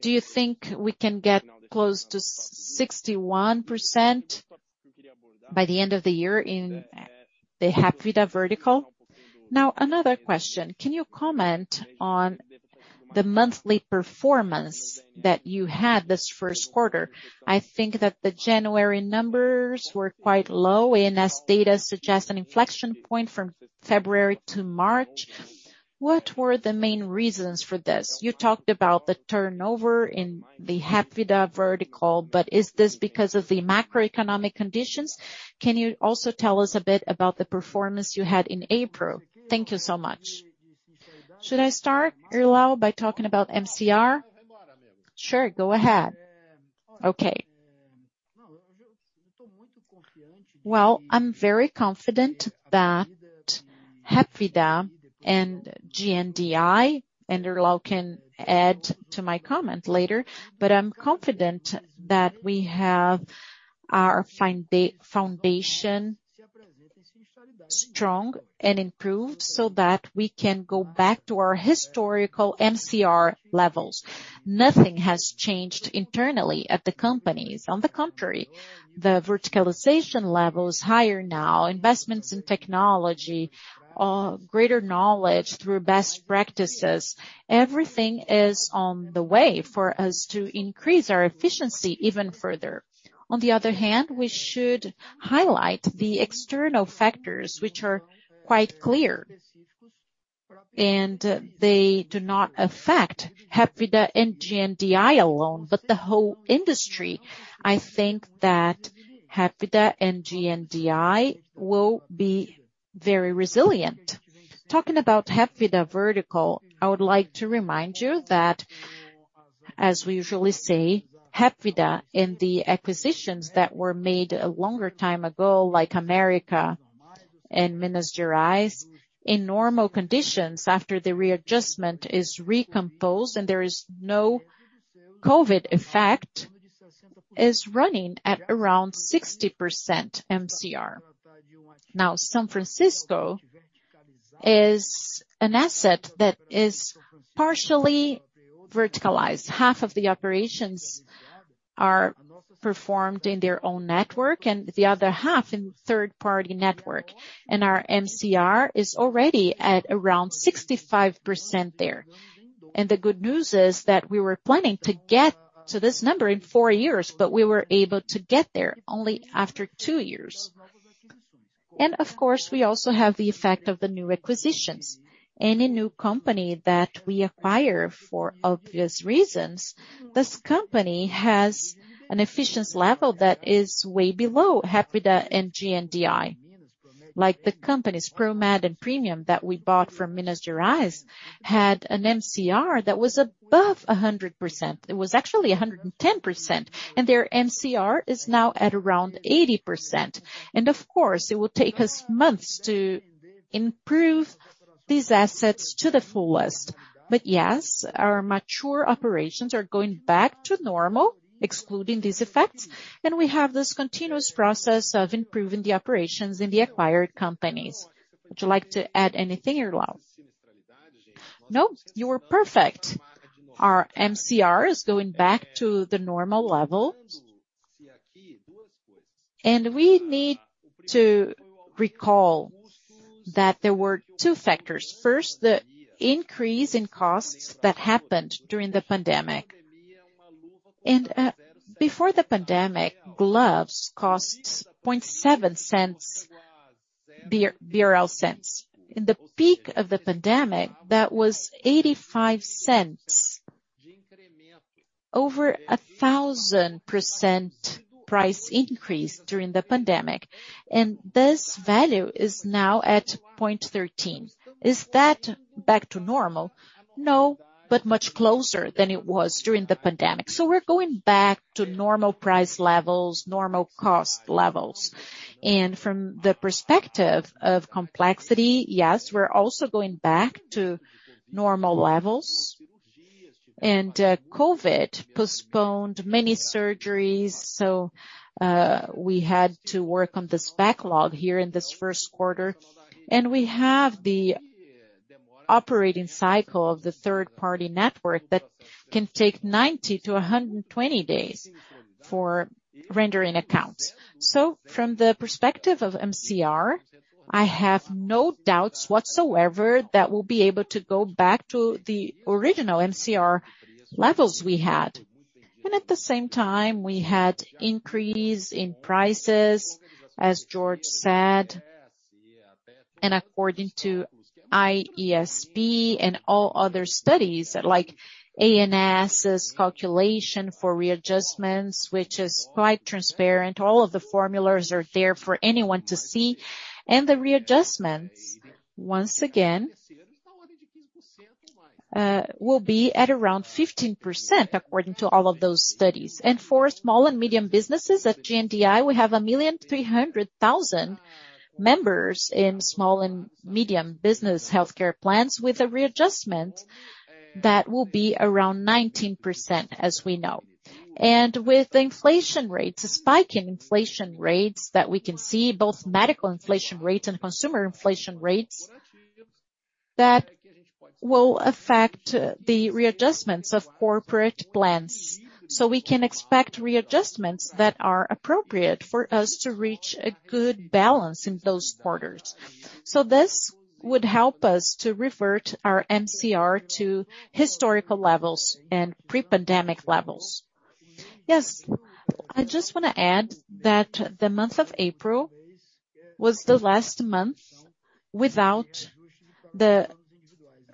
Do you think we can get close to 61% by the end of the year in the Hapvida vertical? Now, another question. Can you comment on the monthly performance that you had this first quarter? I think that the January numbers were quite low, and as data suggests, an inflection point from February to March. What were the main reasons for this? You talked about the turnover in the Hapvida vertical, but is this because of the macroeconomic conditions? Can you also tell us a bit about the performance you had in April? Thank you so much. Should I start, Irlau, by talking about MCR? Sure. Go ahead. Okay. Well, I'm very confident that Hapvida and GNDI, and Irlau can add to my comment later, but I'm confident that we have our foundation strong and improved so that we can go back to our historical MCR levels. Nothing has changed internally at the companies. On the contrary, the verticalization level is higher now. Investments in technology, greater knowledge through best practices, everything is on the way for us to increase our efficiency even further. On the other hand, we should highlight the external factors which are quite clear, and they do not affect Hapvida and GNDI alone, but the whole industry. I think that Hapvida and GNDI will be very resilient. Talking about Hapvida vertical, I would like to remind you that, as we usually say, Hapvida and the acquisitions that were made a longer time ago, like América and Minas Gerais, in normal conditions, after the readjustment is recomposed and there is no COVID effect, is running at around 60% MCR. Now, São Francisco is an asset that is partially verticalized. Half of the operations are performed in their own network and the other half in third-party network, and our MCR is already at around 65% there. The good news is that we were planning to get to this number in four years, but we were able to get there only after two years. Of course, we also have the effect of the new acquisitions. Any new company that we acquire, for obvious reasons, this company has an efficiency level that is way below Hapvida and GNDI. Like the companies Promed and Premium that we bought from Minas Gerais had an MCR that was above 100%. It was actually 110%, and their MCR is now at around 80%. Of course, it will take us months to improve these assets to the fullest. Yes, our mature operations are going back to normal, excluding these effects, and we have this continuous process of improving the operations in the acquired companies. Would you like to add anything, Irlau? No, you were perfect. Our MCR is going back to the normal level. We need to recall that there were two factors. First, the increase in costs that happened during the pandemic. Before the pandemic, gloves cost BRL 0.007. In the peak of the pandemic, that was 0.85. Over 1,000% price increase during the pandemic, and this value is now at 0.0013. Is that back to normal? No. But much closer than it was during the pandemic. We're going back to normal price levels, normal cost levels. COVID postponed many surgeries, we had to work on this backlog here in this first quarter. We have the operating cycle of the third-party network that can take 90-120 days for rendering accounts. From the perspective of MCR, I have no doubts whatsoever that we'll be able to go back to the original MCR levels we had. At the same time, we had increase in prices, as Jorge said, and according to IESS and all other studies, like ANS' calculation for readjustments, which is quite transparent. All of the formulas are there for anyone to see. The readjustments, once again, will be at around 15% according to all of those studies. For small and medium businesses at GNDI, we have 1.3 million members in small and medium business healthcare plans with a readjustment that will be around 19%, as we know. With inflation rates, a spike in inflation rates that we can see, both medical inflation rates and consumer inflation rates, that will affect the readjustments of corporate plans. We can expect readjustments that are appropriate for us to reach a good balance in those quarters. This would help us to revert our MCR to historical levels and pre-pandemic levels. Yes. I just wanna add that the month of April was the last month without the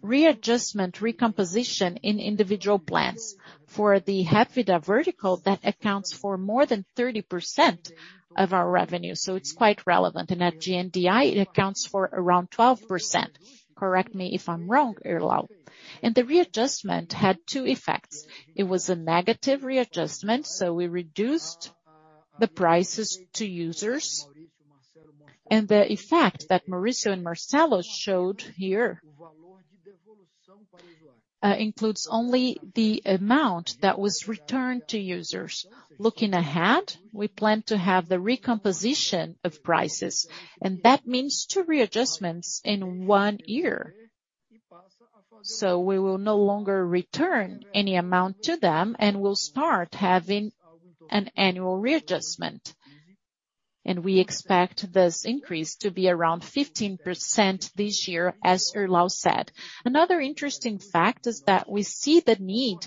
readjustment recomposition in individual plans. For the Hapvida vertical, that accounts for more than 30% of our revenue, so it's quite relevant. At GNDI, it accounts for around 12%. Correct me if I'm wrong, Irlau. The readjustment had two effects. It was a negative readjustment, so we reduced the prices to users. The effect that Maurício and Marcelo showed here includes only the amount that was returned to users. Looking ahead, we plan to have the recomposition of prices, and that means two readjustments in one year. We will no longer return any amount to them, and we'll start having an annual readjustment. We expect this increase to be around 15% this year, as Irlau said. Another interesting fact is that we see the need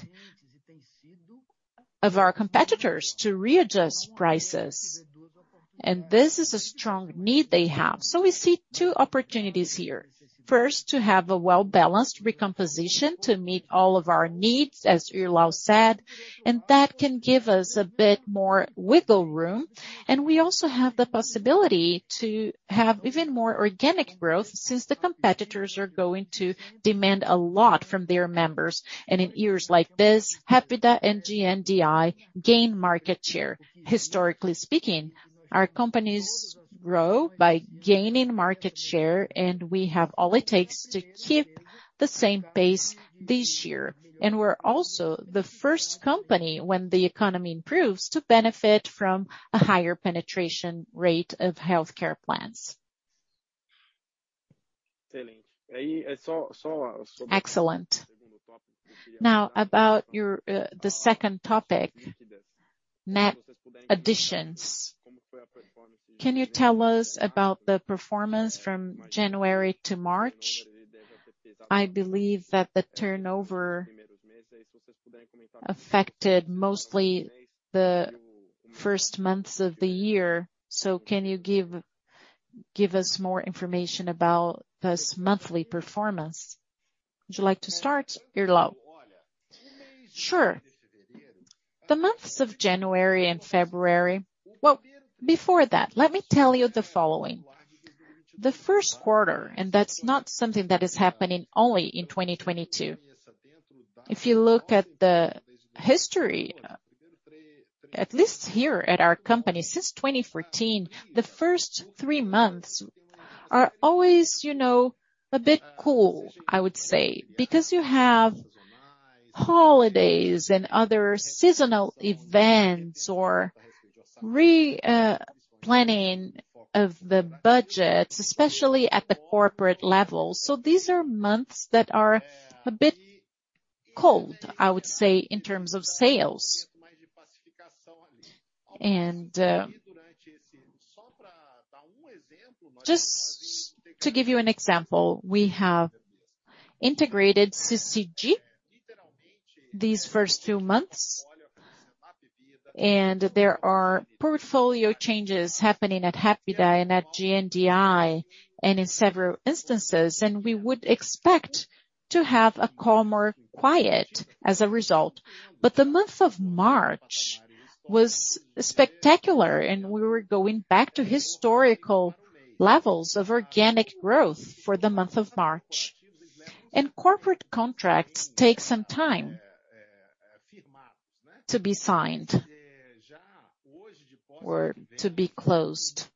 of our competitors to readjust prices, and this is a strong need they have. We see two opportunities here. First, to have a well-balanced recomposition to meet all of our needs, as Irlau said, and that can give us a bit more wiggle room. We also have the possibility to have even more organic growth since the competitors are going to demand a lot from their members. In years like this, Hapvida and GNDI gain market share. Historically speaking, our companies grow by gaining market share, and we have all it takes to keep the same pace this year. We're also the first company, when the economy improves, to benefit from a higher penetration rate of healthcare plans. Excellent. Now, about your, the second topic, net additions. Can you tell us about the performance from January to March? I believe that the turnover affected mostly the first months of the year. Can you give us more information about this monthly performance? Would you like to start, Irlau? Sure. The months of January and February. Well, before that, let me tell you the following. The first quarter, and that's not something that is happening only in 2022. If you look at the history, at least here at our company since 2014, the first three months are always, you know, a bit cool, I would say, because you have holidays and other seasonal events or planning of the budget, especially at the corporate level. These are months that are a bit cold, I would say, in terms of sales. Just to give you an example, we have integrated CCG these first two months, and there are portfolio changes happening at Hapvida and at GNDI, and in several instances, and we would expect to have a calmer quarter as a result. The month of March was spectacular, and we were going back to historical levels of organic growth for the month of March. Corporate contracts take some time to be signed or to be closed.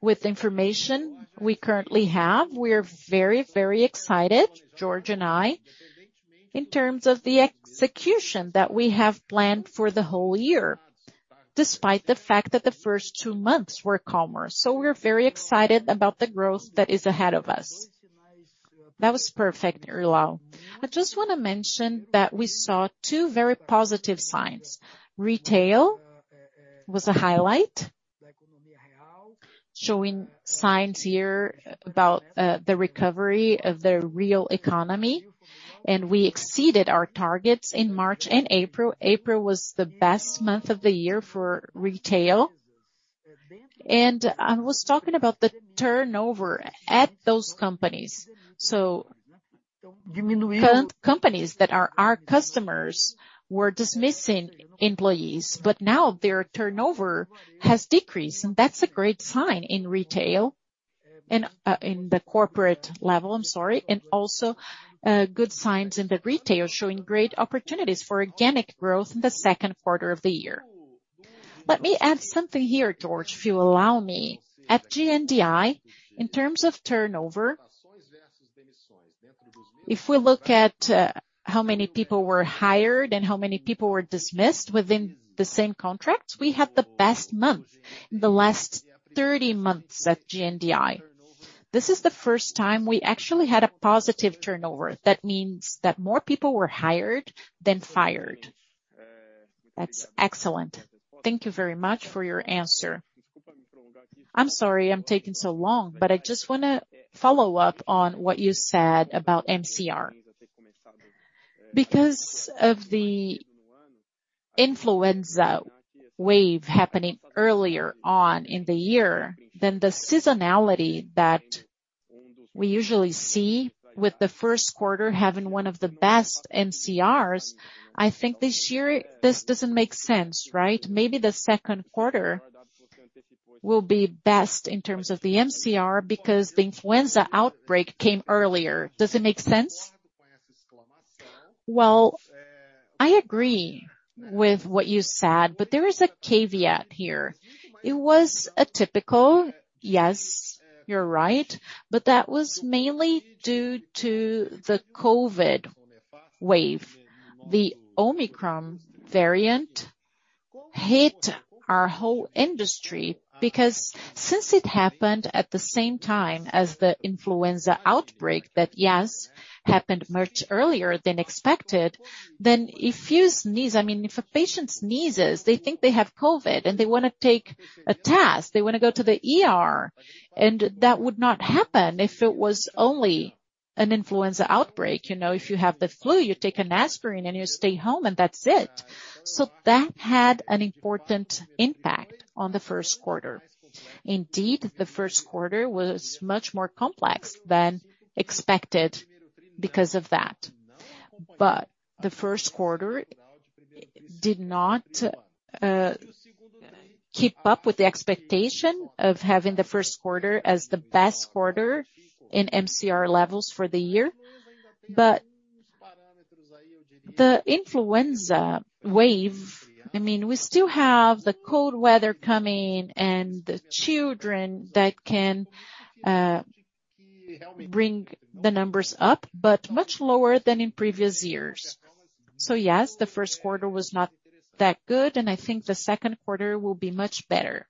With information we currently have, we are very, very excited, Jorge and I, in terms of the execution that we have planned for the whole year, despite the fact that the first two months were calmer. We're very excited about the growth that is ahead of us. That was perfect, Irlau. I just wanna mention that we saw two very positive signs. Retail was a highlight, showing signs of the recovery of the real economy, and we exceeded our targets in March and April. April was the best month of the year for retail. I was talking about the turnover at those companies. Companies that are our customers were dismissing employees, but now their turnover has decreased, and that's a great sign in retail and in the corporate level. I'm sorry. Also, good signs in the retail, showing great opportunities for organic growth in the second quarter of the year. Let me add something here, Jorge, if you allow me. At GNDI, in terms of turnover, if we look at how many people were hired and how many people were dismissed within the same contracts, we had the best month in the last 30 months at GNDI. This is the first time we actually had a positive turnover. That means that more people were hired than fired. That's excellent. Thank you very much for your answer. I'm sorry I'm taking so long, but I just wanna follow up on what you said about MCR. Because of the influenza wave happening earlier on in the year than the seasonality that we usually see with the first quarter having one of the best MCRs, I think this year this doesn't make sense, right? Maybe the second quarter will be best in terms of the MCR because the influenza outbreak came earlier. Does it make sense? Well, I agree with what you said, but there is a caveat here. It was atypical. Yes, you're right. That was mainly due to the COVID wave. The Omicron variant hit our whole industry because since it happened at the same time as the influenza outbreak that, yes, happened much earlier than expected, then if you sneeze, I mean, if a patient sneezes, they think they have COVID, and they wanna take a test, they wanna go to the ER. That would not happen if it was only an influenza outbreak. You know, if you have the flu, you take an aspirin, and you stay home, and that's it. That had an important impact on the first quarter. Indeed, the first quarter was much more complex than expected because of that. The first quarter did not keep up with the expectation of having the first quarter as the best quarter in MCR levels for the year. The influenza wave. I mean, we still have the cold weather coming and the children that can bring the numbers up, but much lower than in previous years. Yes, the first quarter was not that good, and I think the second quarter will be much better.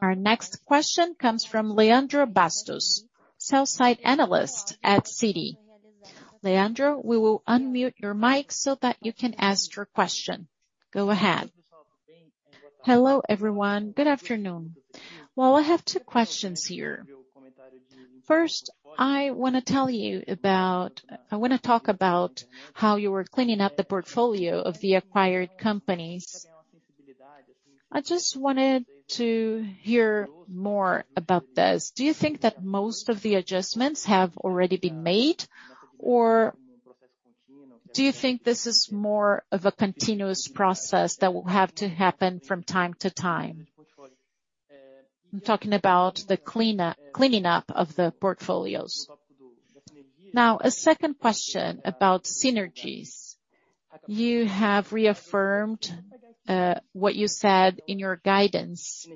Our next question comes from Leandro Bastos, sell-side analyst at Citi. Leandro, we will unmute your mic so that you can ask your question. Go ahead. Hello, everyone. Good afternoon. Well, I have two questions here. First, I wanna talk about how you were cleaning up the portfolio of the acquired companies. I just wanted to hear more about this. Do you think that most of the adjustments have already been made, or do you think this is more of a continuous process that will have to happen from time to time? I'm talking about the cleaning up of the portfolios. Now, a second question about synergies. You have reaffirmed what you said in your guidance,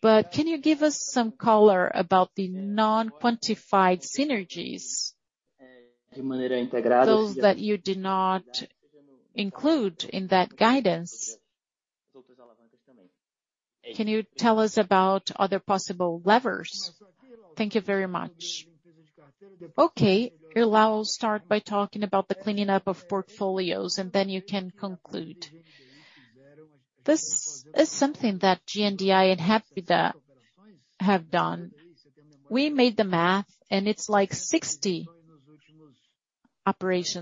but can you give us some color about the non-quantified synergies, those that you did not include in that guidance? Can you tell us about other possible levers? Thank you very much. Okay. Irlau will start by talking about the cleaning up of portfolios, and then you can conclude. This is something that GNDI and Hapvida have done. We made the math, and it's like 60 operations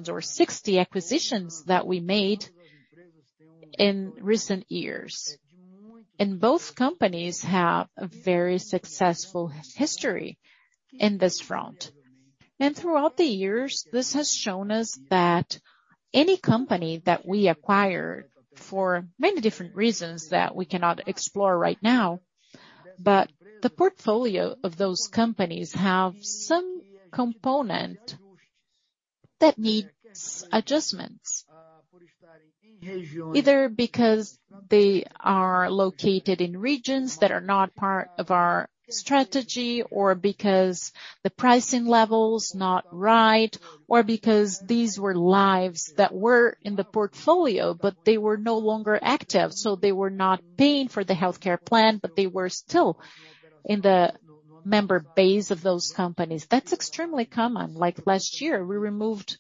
or 60 acquisitions that we made in recent years. Both companies have a very successful history in this front. Throughout the years, this has shown us that any company that we acquire for many different reasons that we cannot explore right now, but the portfolio of those companies have some component that needs adjustments. Either because they are located in regions that are not part of our strategy, or because the pricing level's not right, or because these were lives that were in the portfolio, but they were no longer active, so they were not paying for the healthcare plan, but they were still in the member base of those companies. That's extremely common. Like last year, we removed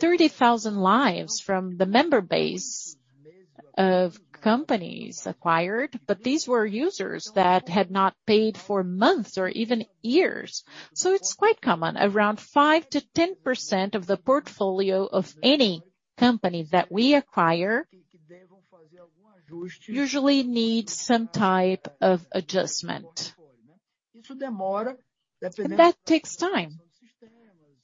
30,000 lives from the member base of companies acquired, but these were users that had not paid for months or even years. It's quite common. Around 5%-10% of the portfolio of any company that we acquire usually need some type of adjustment. That takes time.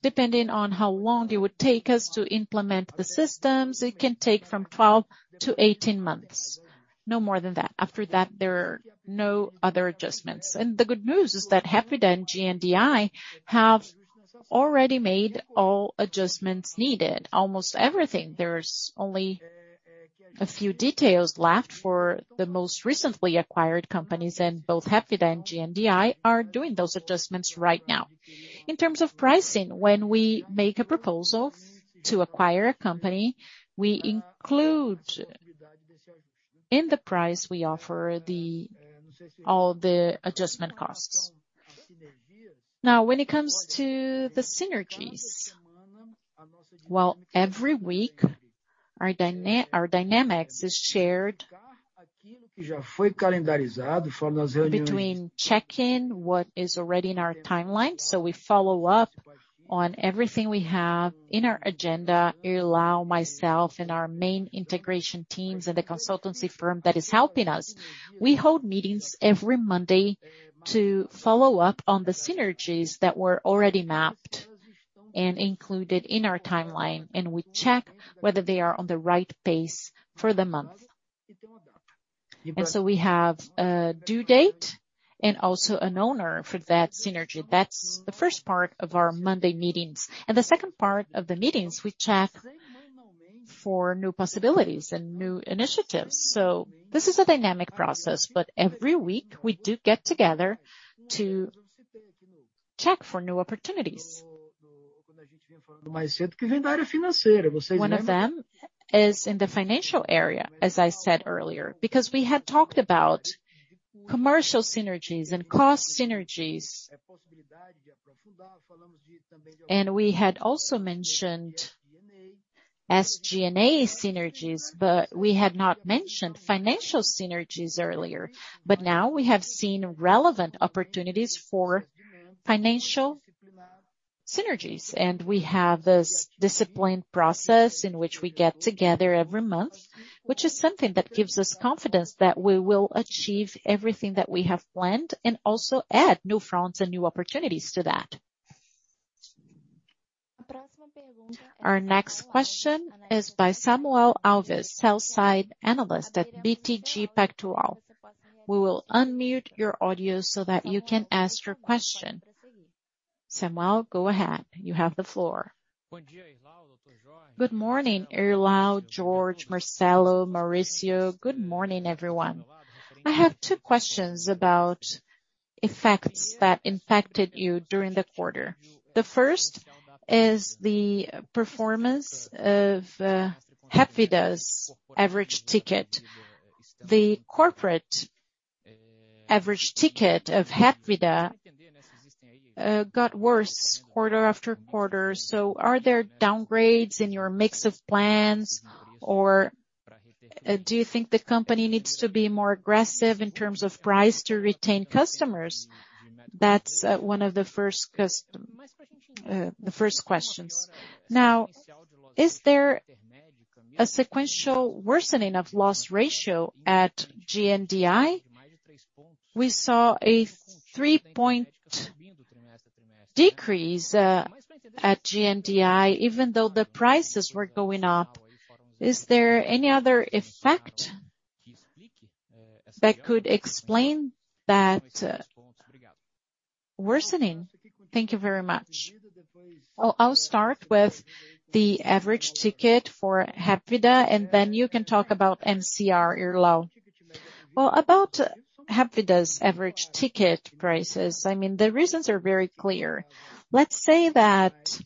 Depending on how long it would take us to implement the systems, it can take from 12-18 months. No more than that. After that, there are no other adjustments. The good news is that Hapvida and GNDI have already made all adjustments needed. Almost everything. There's only a few details left for the most recently acquired companies, and both Hapvida and GNDI are doing those adjustments right now. In terms of pricing, when we make a proposal to acquire a company, we include in the price we offer all the adjustment costs. Now, when it comes to the synergies, well, every week our dynamics is shared between checking what is already in our timeline, so we follow up on everything we have in our agenda. Irlau, myself and our main integration teams and the consultancy firm that is helping us, we hold meetings every Monday to follow up on the synergies that were already mapped and included in our timeline, and we check whether they are on the right pace for the month. We have a due date and also an owner for that synergy. That's the first part of our Monday meetings. In the second part of the meetings, we check for new possibilities and new initiatives. This is a dynamic process, but every week we do get together to check for new opportunities. One of them is in the financial area, as I said earlier, because we had talked about commercial synergies and cost synergies. We had also mentioned SG&A synergies, but we had not mentioned financial synergies earlier. Now, we have seen relevant opportunities for financial synergies, and we have this disciplined process in which we get together every month, which is something that gives us confidence that we will achieve everything that we have planned and also add new fronts and new opportunities to that. Our next question is by Samuel Alves, sell-side analyst at BTG Pactual. We will unmute your audio so that you can ask your question. Samuel, go ahead. You have the floor. Good morning, Irlau, Jorge, Marcelo, Maurício. Good morning, everyone. I have two questions about effects that impacted you during the quarter. The first is the performance of Hapvida's average ticket. The corporate average ticket of Hapvida got worse quarter after quarter. Are there downgrades in your mix of plans, or do you think the company needs to be more aggressive in terms of price to retain customers? That's one of the first questions. Now, is there a sequential worsening of loss ratio at GNDI? We saw a three-point decrease at GNDI, even though the prices were going up. Is there any other effect that could explain that worsening? Thank you very much. I'll start with the average ticket for Hapvida, and then you can talk about MCR, Irlau. Well, about Hapvida's average ticket prices, I mean, the reasons are very clear. Let's say that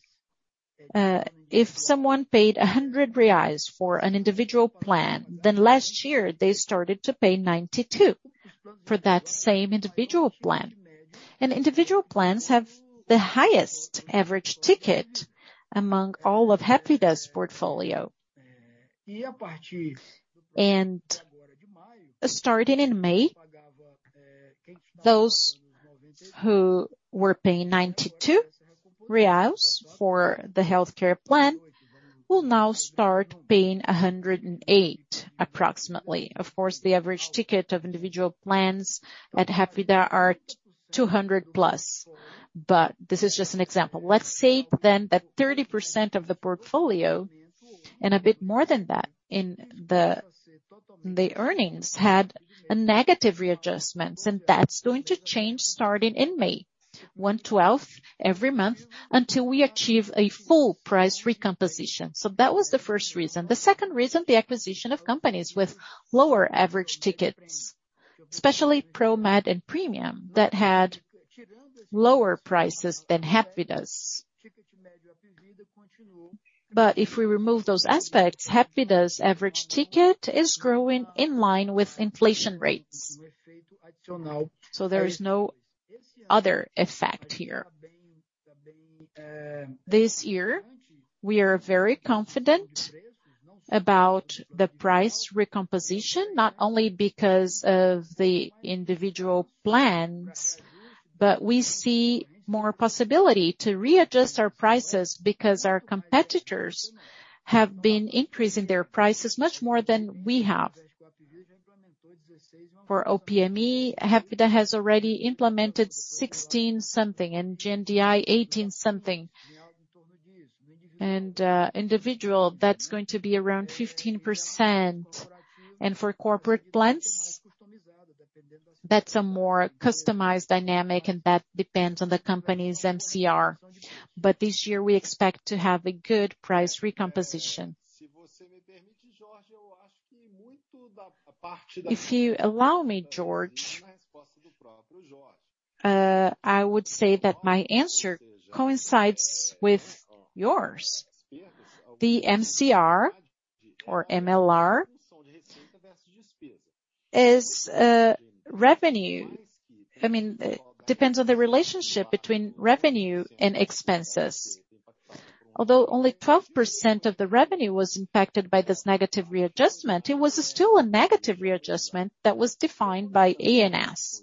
if someone paid 100 reais for an individual plan, then last year they started to pay 92 for that same individual plan. Individual plans have the highest average ticket among all of Hapvida's portfolio. Starting in May, those who were paying 92 reais for the healthcare plan will now start paying 108 approximately. Of course, the average ticket of individual plans at Hapvida are 200+. But this is just an example. Let's say then that 30% of the portfolio, and a bit more than that in the earnings, had negative readjustments. That's going to change starting in May, 112 every month until we achieve a full price recomposition. That was the first reason. The second reason, the acquisition of companies with lower average tickets, especially Promed and Premium that had lower prices than Hapvida's. If we remove those aspects, Hapvida's average ticket is growing in line with inflation rates. There is no other effect here. This year we are very confident about the price recomposition, not only because of the individual plans, but we see more possibility to readjust our prices because our competitors have been increasing their prices much more than we have. For OPME, Hapvida has already implemented sixteen-something, and GNDI 18-something. Individual, that's going to be around 15%. For corporate plans, that's a more customized dynamic, and that depends on the company's MCR. This year we expect to have a good price recomposition. If you allow me, Jorge, I would say that my answer coincides with yours. The MCR or MLR isn't revenue. I mean, depends on the relationship between revenue and expenses. Although only 12% of the revenue was impacted by this negative readjustment, it was still a negative readjustment that was defined by ANS.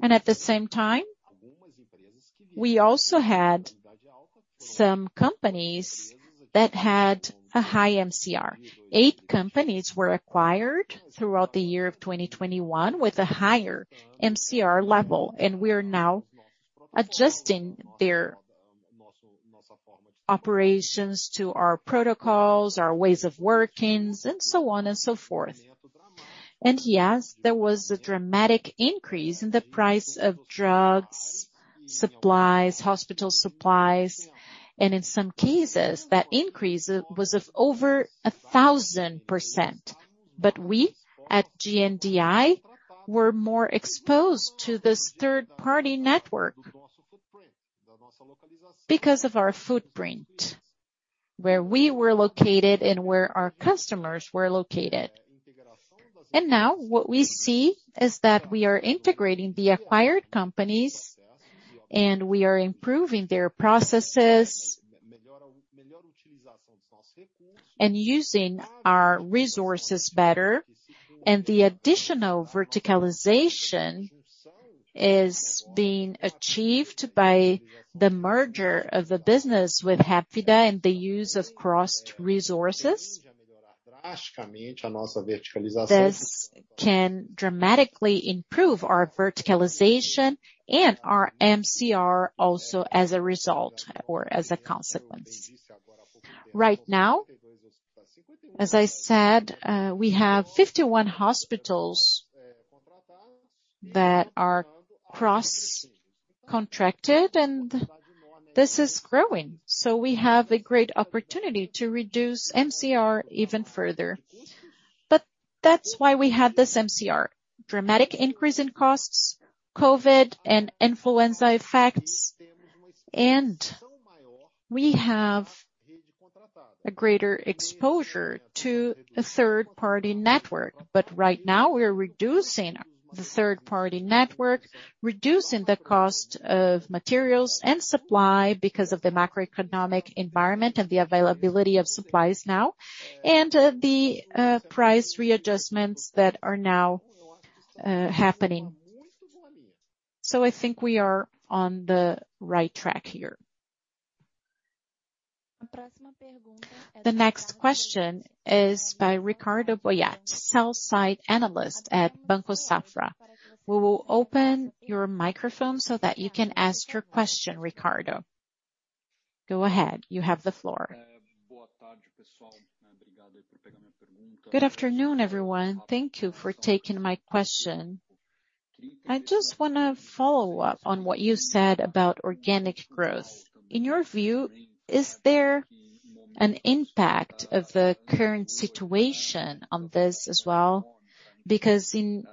At the same time, we also had some companies that had a high MCR. Eight companies were acquired throughout the year of 2021 with a higher MCR level, and we are now adjusting their operations to our protocols, our ways of workings, and so on and so forth. Yes, there was a dramatic increase in the price of drugs, supplies, hospital supplies, and in some cases that increase was of over 1,000%. We, at GNDI, were more exposed to this third-party network because of our footprint, where we were located and where our customers were located. Now, what we see is that we are integrating the acquired companies, and we are improving their processes and using our resources better. The additional verticalization is being achieved by the merger of the business with Hapvida and the use of crossed resources. This can dramatically improve our verticalization and our MCR also as a result or as a consequence. Right now, as I said, we have 51 hospitals that are cross-contracted, and this is growing. We have a great opportunity to reduce MCR even further. That's why we have this MCR. Dramatic increase in costs, COVID and influenza effects, and we have a greater exposure to a third-party network. Right now we're reducing the third-party network, reducing the cost of materials and supply because of the macroeconomic environment and the availability of supplies now, and the price readjustments that are now happening. I think we are on the right track here. The next question is by Ricardo Boiati, sell-side analyst at Banco Safra. We will open your microphone so that you can ask your question, Ricardo. Go ahead. You have the floor. Good afternoon, everyone. Thank you for taking my question. I just wanna follow up on what you said about organic growth. In your view, is there an impact of the current situation on this as well? Because in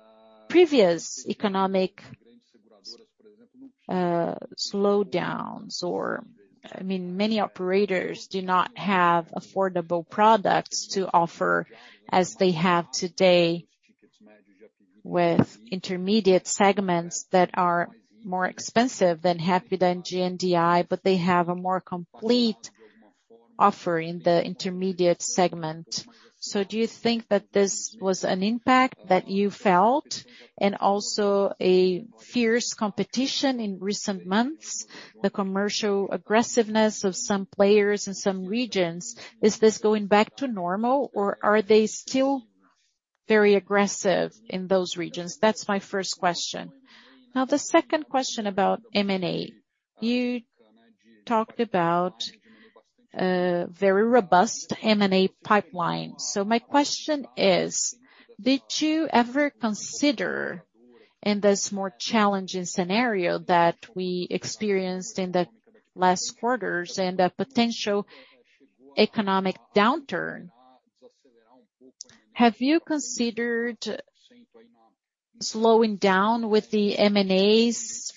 previous economic slowdowns, I mean, many operators do not have affordable products to offer as they have today with intermediate segments that are more expensive than Hapvida and GNDI, but they have a more complete offer in the intermediate segment. Do you think that this was an impact that you felt and also a fierce competition in recent months, the commercial aggressiveness of some players in some regions? Is this going back to normal or are they still very aggressive in those regions? That's my first question. Now, the second question about M&A. You talked about a very robust M&A pipeline. So my question is, did you ever consider in this more challenging scenario that we experienced in the last quarters and a potential economic downturn. Have you considered slowing down with the M&As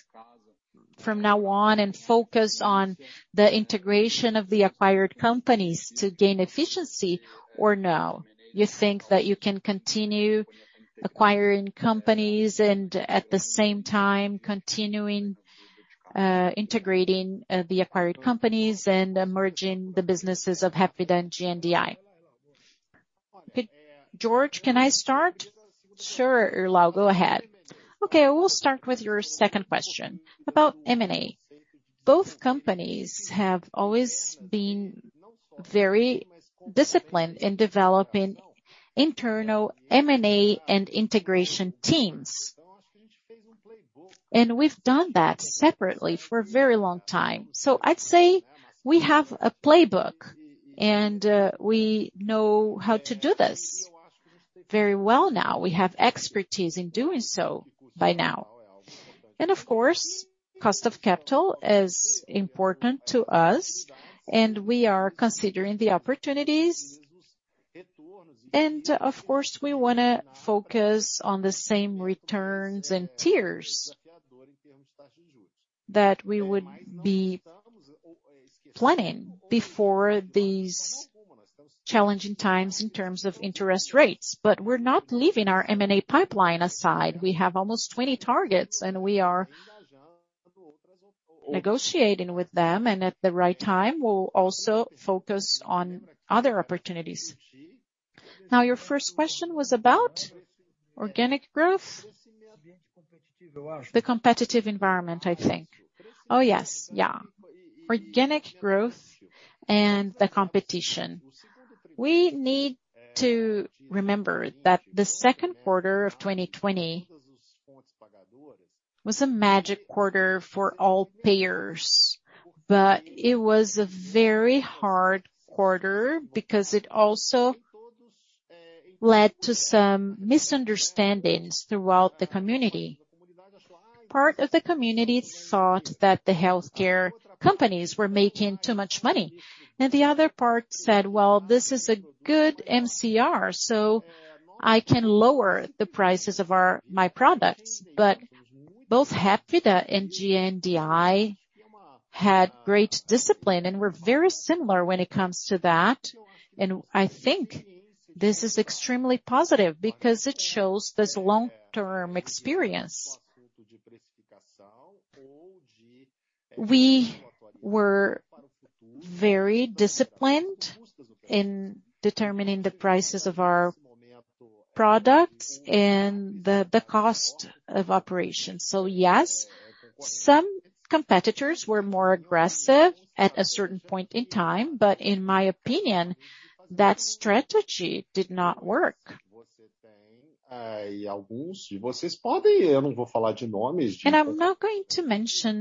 from now on and focus on the integration of the acquired companies to gain efficiency or no? You think that you can continue acquiring companies and at the same time continuing integrating the acquired companies and merging the businesses of Hapvida and GNDI. Jorge, can I start? Sure, Irlau, go ahead. Okay, we'll start with your second question about M&A. Both companies have always been very disciplined in developing internal M&A and integration teams. We've done that separately for a very long time. I'd say we have a playbook and we know how to do this very well now. We have expertise in doing so by now. Of course, cost of capital is important to us, and we are considering the opportunities. Of course, we wanna focus on the same returns and tiers that we would be planning before these challenging times in terms of interest rates. We're not leaving our M&A pipeline aside. We have almost 20 targets, and we are negotiating with them, and at the right time, we'll also focus on other opportunities. Now, your first question was about organic growth. The competitive environment, I think. Oh, yes. Yeah. Organic growth and the competition. We need to remember that the second quarter of 2020 was a magic quarter for all payers. It was a very hard quarter because it also led to some misunderstandings throughout the community. Part of the community thought that the healthcare companies were making too much money. The other part said, "Well, this is a good MCR, so I can lower the prices of my products." Both Hapvida and GNDI had great discipline and were very similar when it comes to that. I think this is extremely positive because it shows this long-term experience. We were very disciplined in determining the prices of our products and the cost of operations. Yes, some competitors were more aggressive at a certain point in time, but in my opinion, that strategy did not work. I'm not going to mention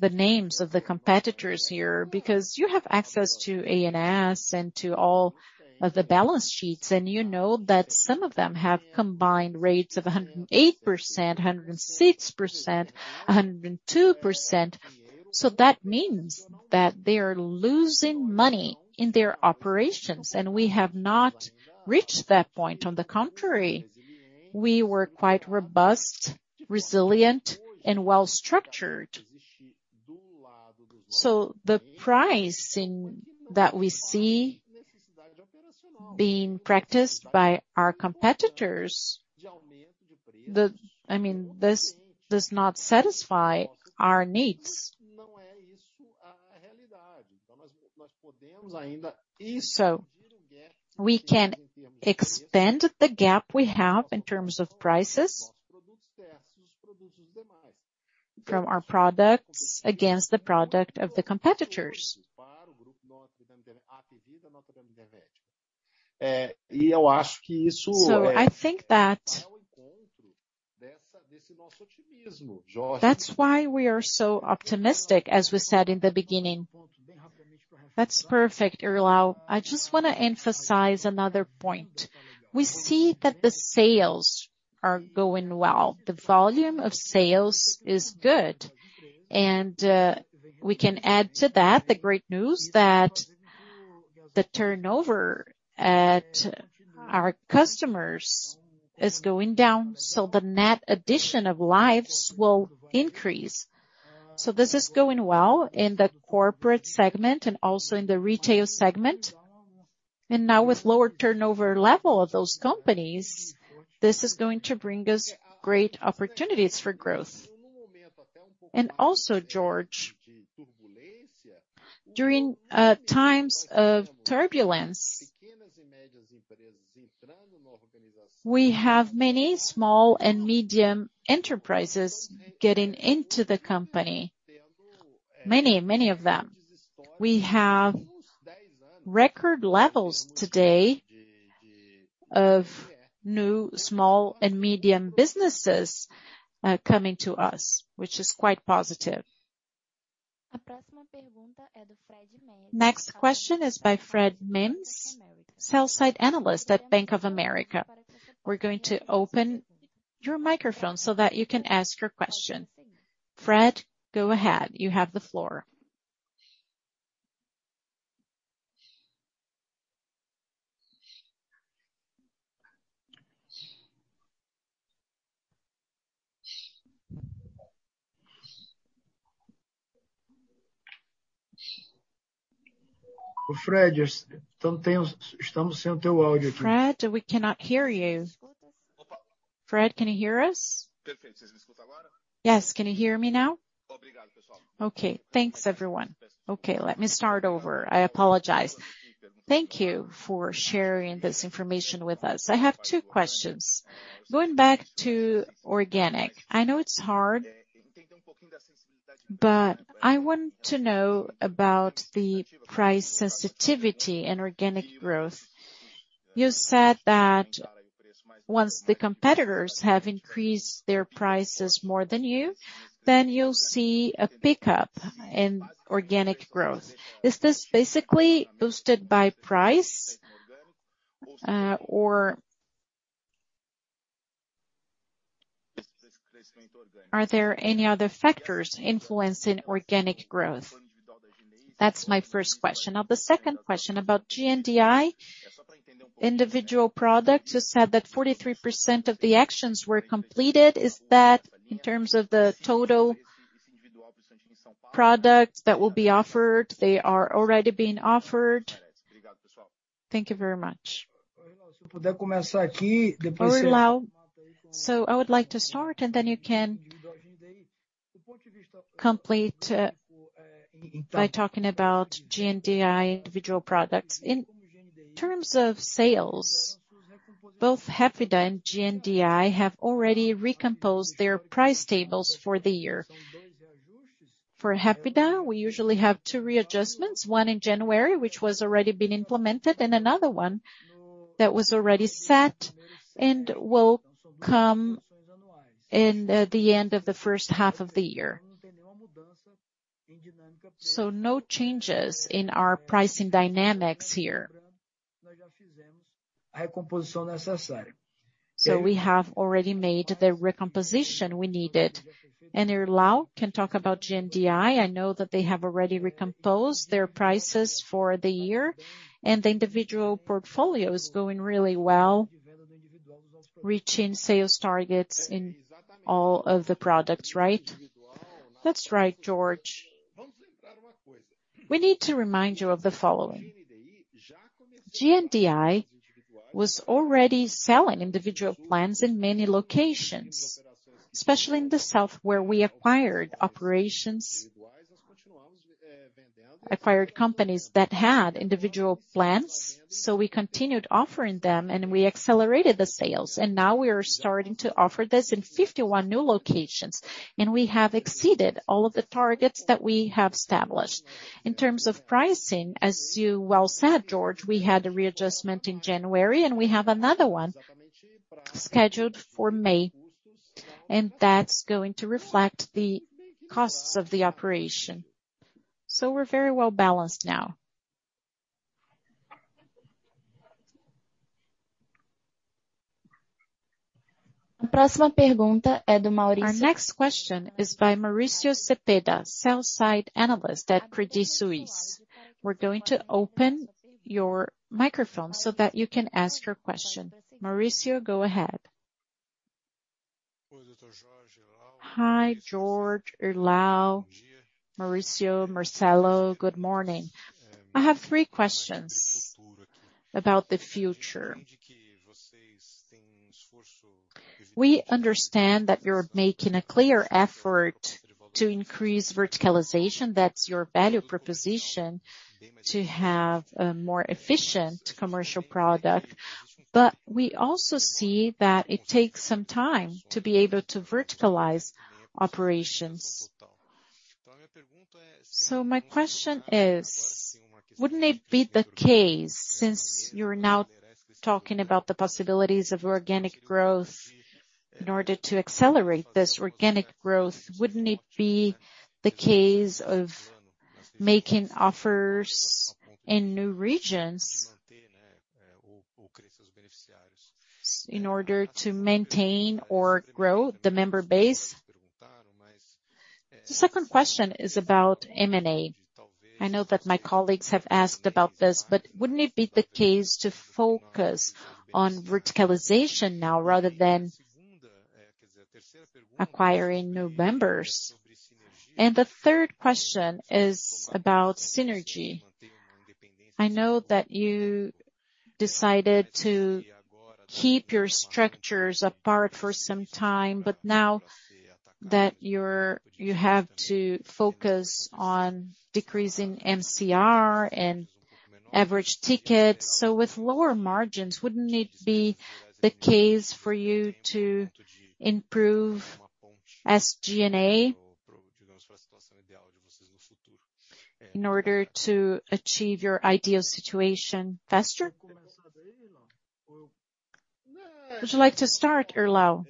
the names of the competitors here because you have access to ANS and to all of the balance sheets, and you know that some of them have combined rates of 108%, 106%, 102%. That means that they are losing money in their operations, and we have not reached that point. On the contrary, we were quite robust, resilient, and well-structured. The price that we see being practiced by our competitors, I mean, this does not satisfy our needs. We can expand the gap we have in terms of prices from our products against the product of the competitors. I think that that's why we are so optimistic as we said in the beginning. That's perfect, Irlau. I just wanna emphasize another point. We see that the sales are going well. The volume of sales is good. We can add to that the great news that the turnover at our customers is going down, so the net addition of lives will increase. This is going well in the corporate segment and also in the retail segment. Now, with lower turnover level of those companies, this is going to bring us great opportunities for growth. Also, Jorge, during times of turbulence, we have many small and medium enterprises getting into the company. Many, many of them. We have record levels today of new small and medium businesses coming to us, which is quite positive. Next question is by Fred Mendes, sell-side analyst at Bank of America. We're going to open your microphone so that you can ask your question. Fred, go ahead. You have the floor. Fred, we cannot hear you. Fred, can you hear us? Yes. Can you hear me now? Okay. Thanks, everyone. Okay, let me start over. I apologize. Thank you for sharing this information with us. I have two questions. Going back to organic, I know it's hard, but I want to know about the price sensitivity in organic growth. You said that once the competitors have increased their prices more than you, then you'll see a pickup in organic growth. Is this basically boosted by price, or are there any other factors influencing organic growth? That's my first question. Now, the second question about GNDI individual products. You said that 43% of the actions were completed. Is that in terms of the total products that will be offered, they are already being offered? Thank you very much. I would like to start, and then you can complete, by talking about GNDI individual products. In terms of sales, both Hapvida and GNDI have already recomposed their price tables for the year. For Hapvida, we usually have two readjustments, one in January, which was already been implemented, and another one that was already set and will come in, the end of the first half of the year. No changes in our pricing dynamics here. We have already made the recomposition we needed. Irlau Machado can talk about GNDI. I know that they have already recomposed their prices for the year, and the individual portfolio is going really well, reaching sales targets in all of the products, right? That's right, Jorge. We need to remind you of the following. GNDI was already selling individual plans in many locations, especially in the south, where we acquired companies that had individual plans, so we continued offering them, and we accelerated the sales. Now, we are starting to offer this in 51 new locations, and we have exceeded all of the targets that we have established. In terms of pricing, as you well said, Jorge, we had a readjustment in January, and we have another one scheduled for May, and that's going to reflect the costs of the operation. We're very well-balanced now. Our next question is by Maurício Cepeda, sell-side analyst at Credit Suisse. We're going to open your microphone so that you can ask your question. Mauricio, go ahead. Hi, Jorge, Irlau, Maurício, Marcelo. Good morning. I have three questions about the future. We understand that you're making a clear effort to increase verticalization. That's your value proposition to have a more efficient commercial product. We also see that it takes some time to be able to verticalize operations. My question is: Wouldn't it be the case, since you're now talking about the possibilities of organic growth, in order to accelerate this organic growth, wouldn't it be the case of making offers in new regions in order to maintain or grow the member base? The second question is about M&A. I know that my colleagues have asked about this, but wouldn't it be the case to focus on verticalization now rather than acquiring new members? And the third question is about synergy. I know that you decided to keep your structures apart for some time, but now that you have to focus on decreasing MCR and average tickets. So with lower margins, wouldn't it be the case for you to improve SG&A in order to achieve your ideal situation faster? Would you like to start, Irlau?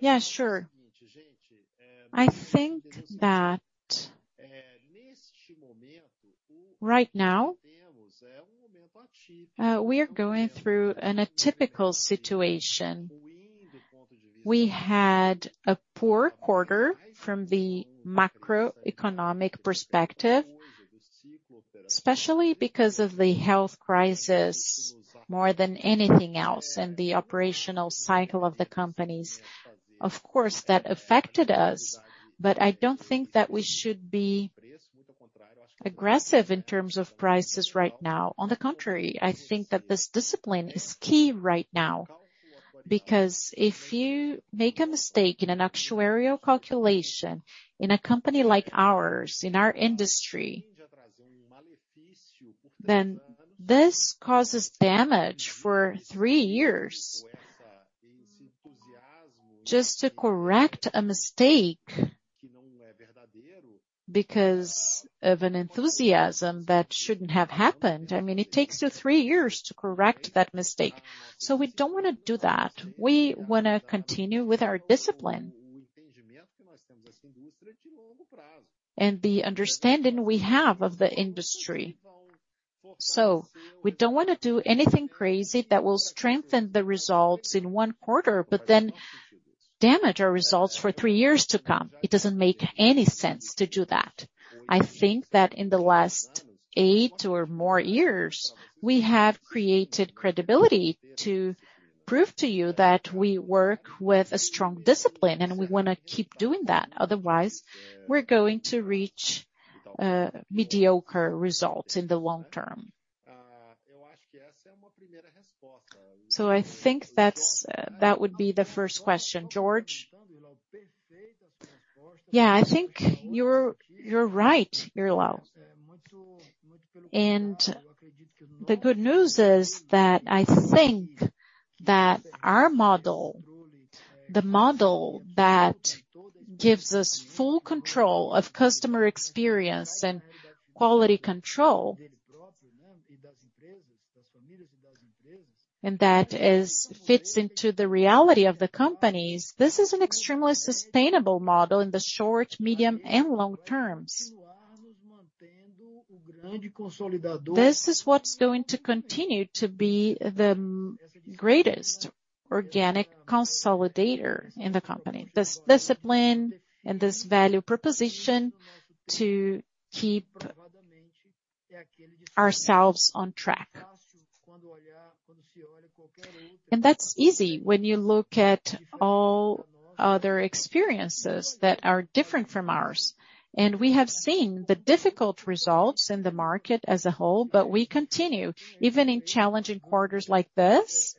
Yeah, sure. I think that right now, we are going through an atypical situation. We had a poor quarter from the macroeconomic perspective, especially because of the health crisis more than anything else, and the operational cycle of the companies. Of course, that affected us, but I don't think that we should be aggressive in terms of prices right now. On the contrary, I think that this discipline is key right now. Because if you make a mistake in an actuarial calculation in a company like ours, in our industry, then this causes damage for three years. Just to correct a mistake because of an enthusiasm that shouldn't have happened, I mean, it takes you three years to correct that mistake. So we don't wanna do that. We wanna continue with our discipline and the understanding we have of the industry. We don't wanna do anything crazy that will strengthen the results in one quarter, but then damage our results for three years to come. It doesn't make any sense to do that. I think that in the last eight or more years, we have created credibility to prove to you that we work with a strong discipline, and we wanna keep doing that. Otherwise, we're going to reach mediocre results in the long term. I think that's that would be the first question. Jorge. Yeah, I think you're right, Irlau. The good news is that I think that our model, the model that gives us full control of customer experience and quality control, and that fits into the reality of the companies. This is an extremely sustainable model in the short, medium, and long terms. This is what's going to continue to be the greatest organic consolidator in the company. This discipline and this value proposition to keep ourselves on track. That's easy when you look at all other experiences that are different from ours. We have seen the difficult results in the market as a whole, but we continue. Even in challenging quarters like this,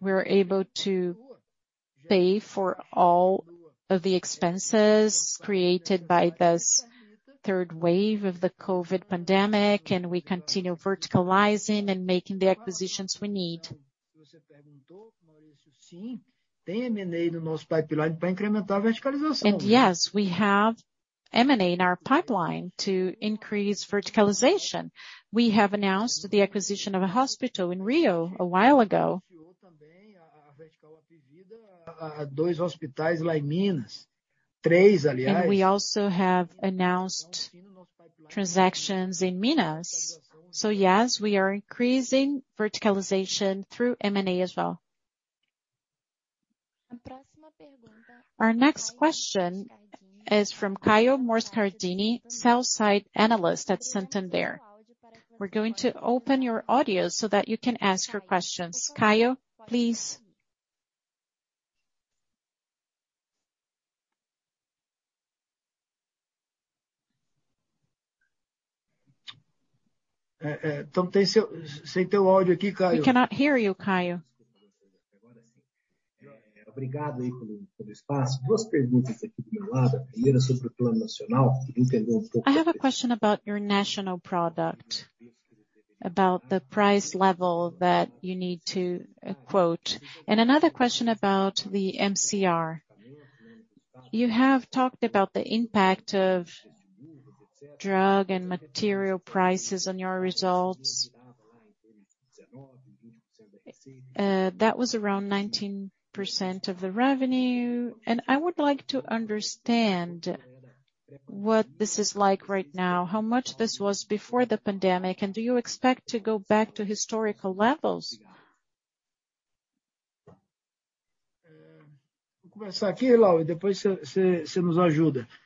we're able to pay for all of the expenses created by this third wave of the COVID pandemic, and we continue verticalizing and making the acquisitions we need. Yes, we have M&A in our pipeline to increase verticalization. We have announced the acquisition of a hospital in Rio a while ago. We also have announced transactions in Minas. Yes, we are increasing verticalization through M&A as well. Our next question is from Caio Moscardini, sell-side analyst at Santander. We're going to open your audio so that you can ask your questions. Caio, please. Don't think so. Say it to audio, Caio. We cannot hear you, Caio. I have a question about your national product, about the price level that you need to quote. And another question about the MCR. You have talked about the impact of drug and material prices on your results. That was around 19% of the revenue. And I would like to understand what this is like right now, how much this was before the pandemic, and do you expect to go back to historical levels? We'll start here, Irlau.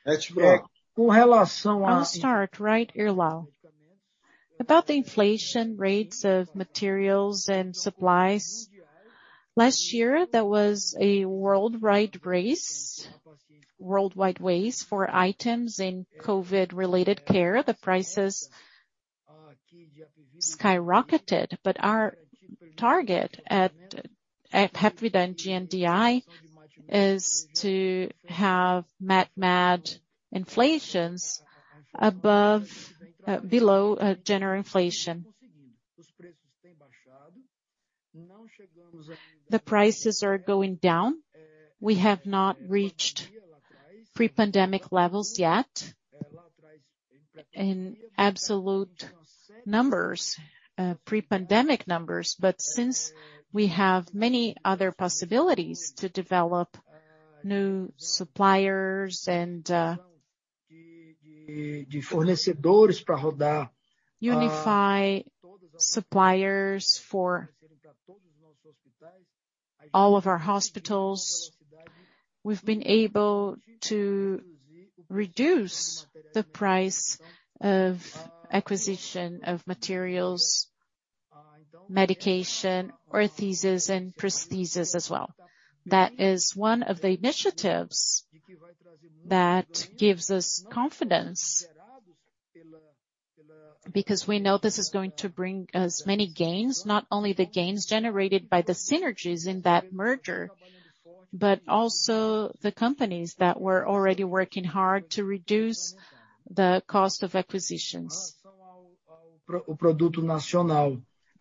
That's right. I'll start, right, Irlau? About the inflation rates of materials and supplies. Last year, there was a worldwide race for items in COVID-related care. The prices skyrocketed. Our target at Hapvida and GNDI is to have medical inflations below general inflation. The prices are going down. We have not reached pre-pandemic levels yet. In absolute numbers, pre-pandemic numbers, but since we have many other possibilities to develop new suppliers and unify suppliers for all of our hospitals, we've been able to reduce the price of acquisition of materials, medication, orthosis, and prosthesis as well. That is one of the initiatives that gives us confidence. We know this is going to bring us many gains, not only the gains generated by the synergies in that merger, but also the companies that were already working hard to reduce the cost of acquisitions.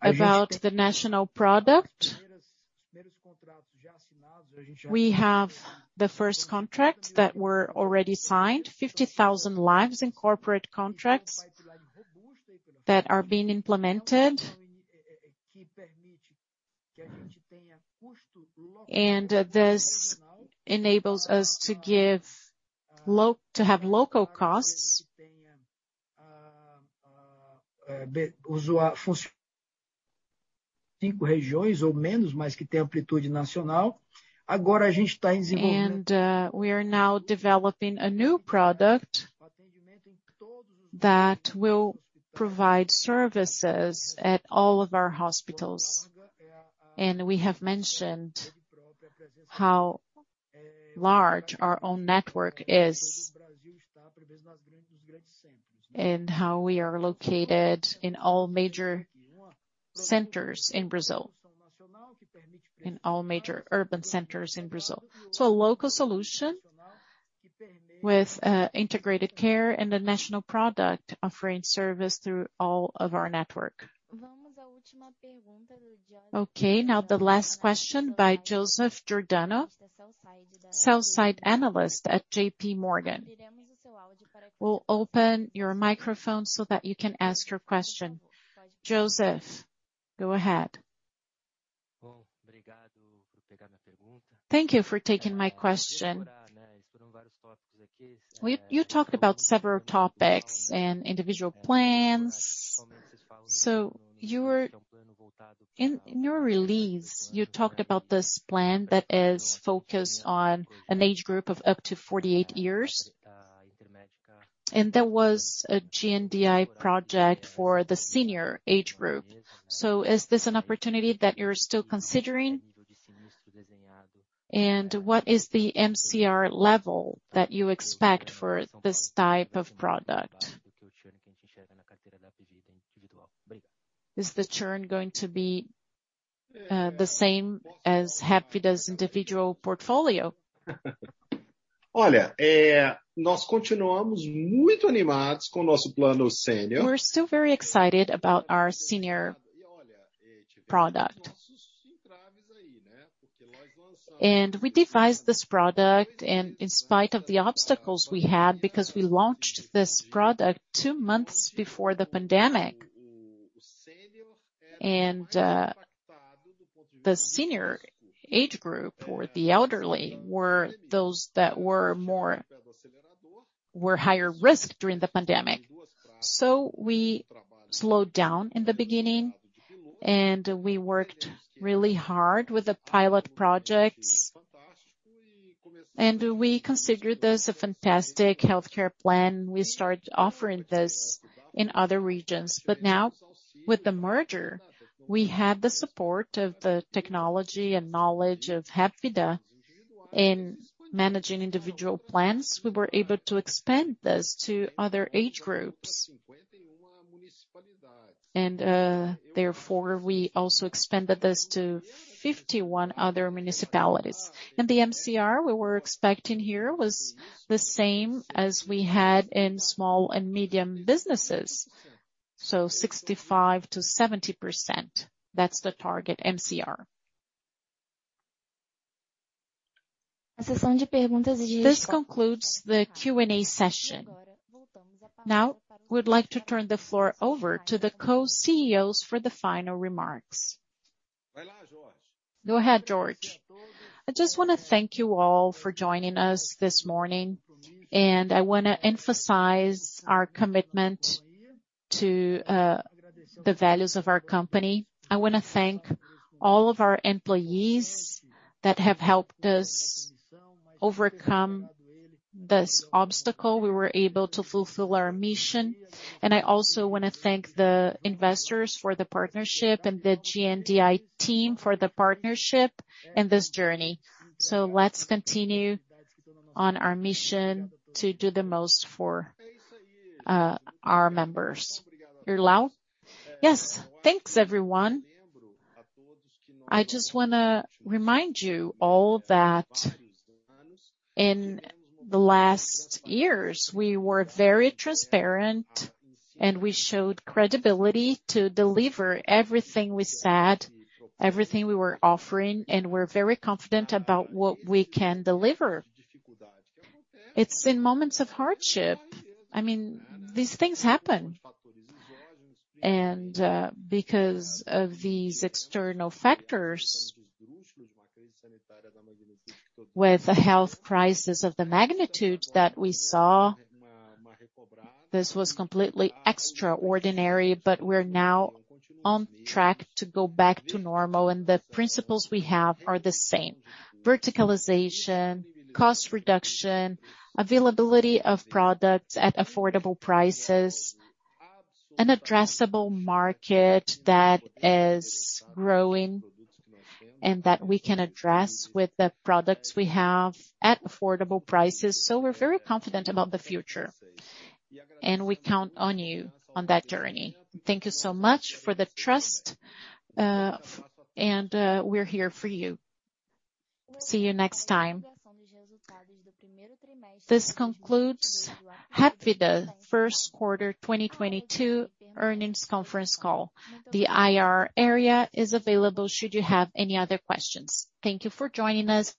About the national product. We have the first contracts that were already signed, 50,000 lives in corporate contracts that are being implemented. This enables us to have local costs. We are now developing a new product that will provide services at all of our hospitals. We have mentioned how large our own network is. How we are located in all major centers in Brazil, in all major urban centers in Brazil. A local solution with integrated care and a national product offering service through all of our network. Okay, now the last question by Joseph Giordano, sell-side analyst at JPMorgan. We'll open your microphone so that you can ask your question. Joseph, go ahead. Thank you for taking my question. You talked about several topics and individual plans. In your release, you talked about this plan that is focused on an age group of up to 48 years. There was a GNDI project for the senior age group. Is this an opportunity that you're still considering? What is the MCR level that you expect for this type of product? Is the churn going to be the same as Hapvida's individual portfolio? We're still very excited about our senior product. We devised this product and in spite of the obstacles we had because we launched this product two months before the pandemic. The senior age group or the elderly were higher risk during the pandemic. We slowed down in the beginning, and we worked really hard with the pilot projects. We considered this a fantastic healthcare plan. We started offering this in other regions. Now, with the merger, we have the support of the technology and knowledge of Hapvida in managing individual plans. We were able to expand this to other age groups. Therefore, we also expanded this to 51 other municipalities. The MCR we were expecting here was the same as we had in small and medium businesses. 65%-70%, that's the target MCR. This concludes the Q&A session. Now, we'd like to turn the floor over to the co-CEOs for the final remarks. Go ahead, Jorge. I just wanna thank you all for joining us this morning, and I wanna emphasize our commitment to the values of our company. I wanna thank all of our employees that have helped us overcome this obstacle, we were able to fulfill our mission. I also wanna thank the investors for the partnership and the GNDI team for the partnership in this journey. Let's continue on our mission to do the most for our members. Irlau. Yes. Thanks everyone. I just wanna remind you all that in the last years, we were very transparent and we showed credibility to deliver everything we said, everything we were offering, and we're very confident about what we can deliver. It's in moments of hardship. I mean, these things happen. Because of these external factors with the health crisis of the magnitude that we saw, this was completely extraordinary. We're now on track to go back to normal, and the principles we have are the same. Verticalization, cost reduction, availability of products at affordable prices, an addressable market that is growing and that we can address with the products we have at affordable prices. We're very confident about the future, and we count on you on that journey. Thank you so much for the trust. We're here for you. See you next time. This concludes Hapvida first quarter 2022 earnings conference call. The IR area is available should you have any other questions. Thank you for joining us.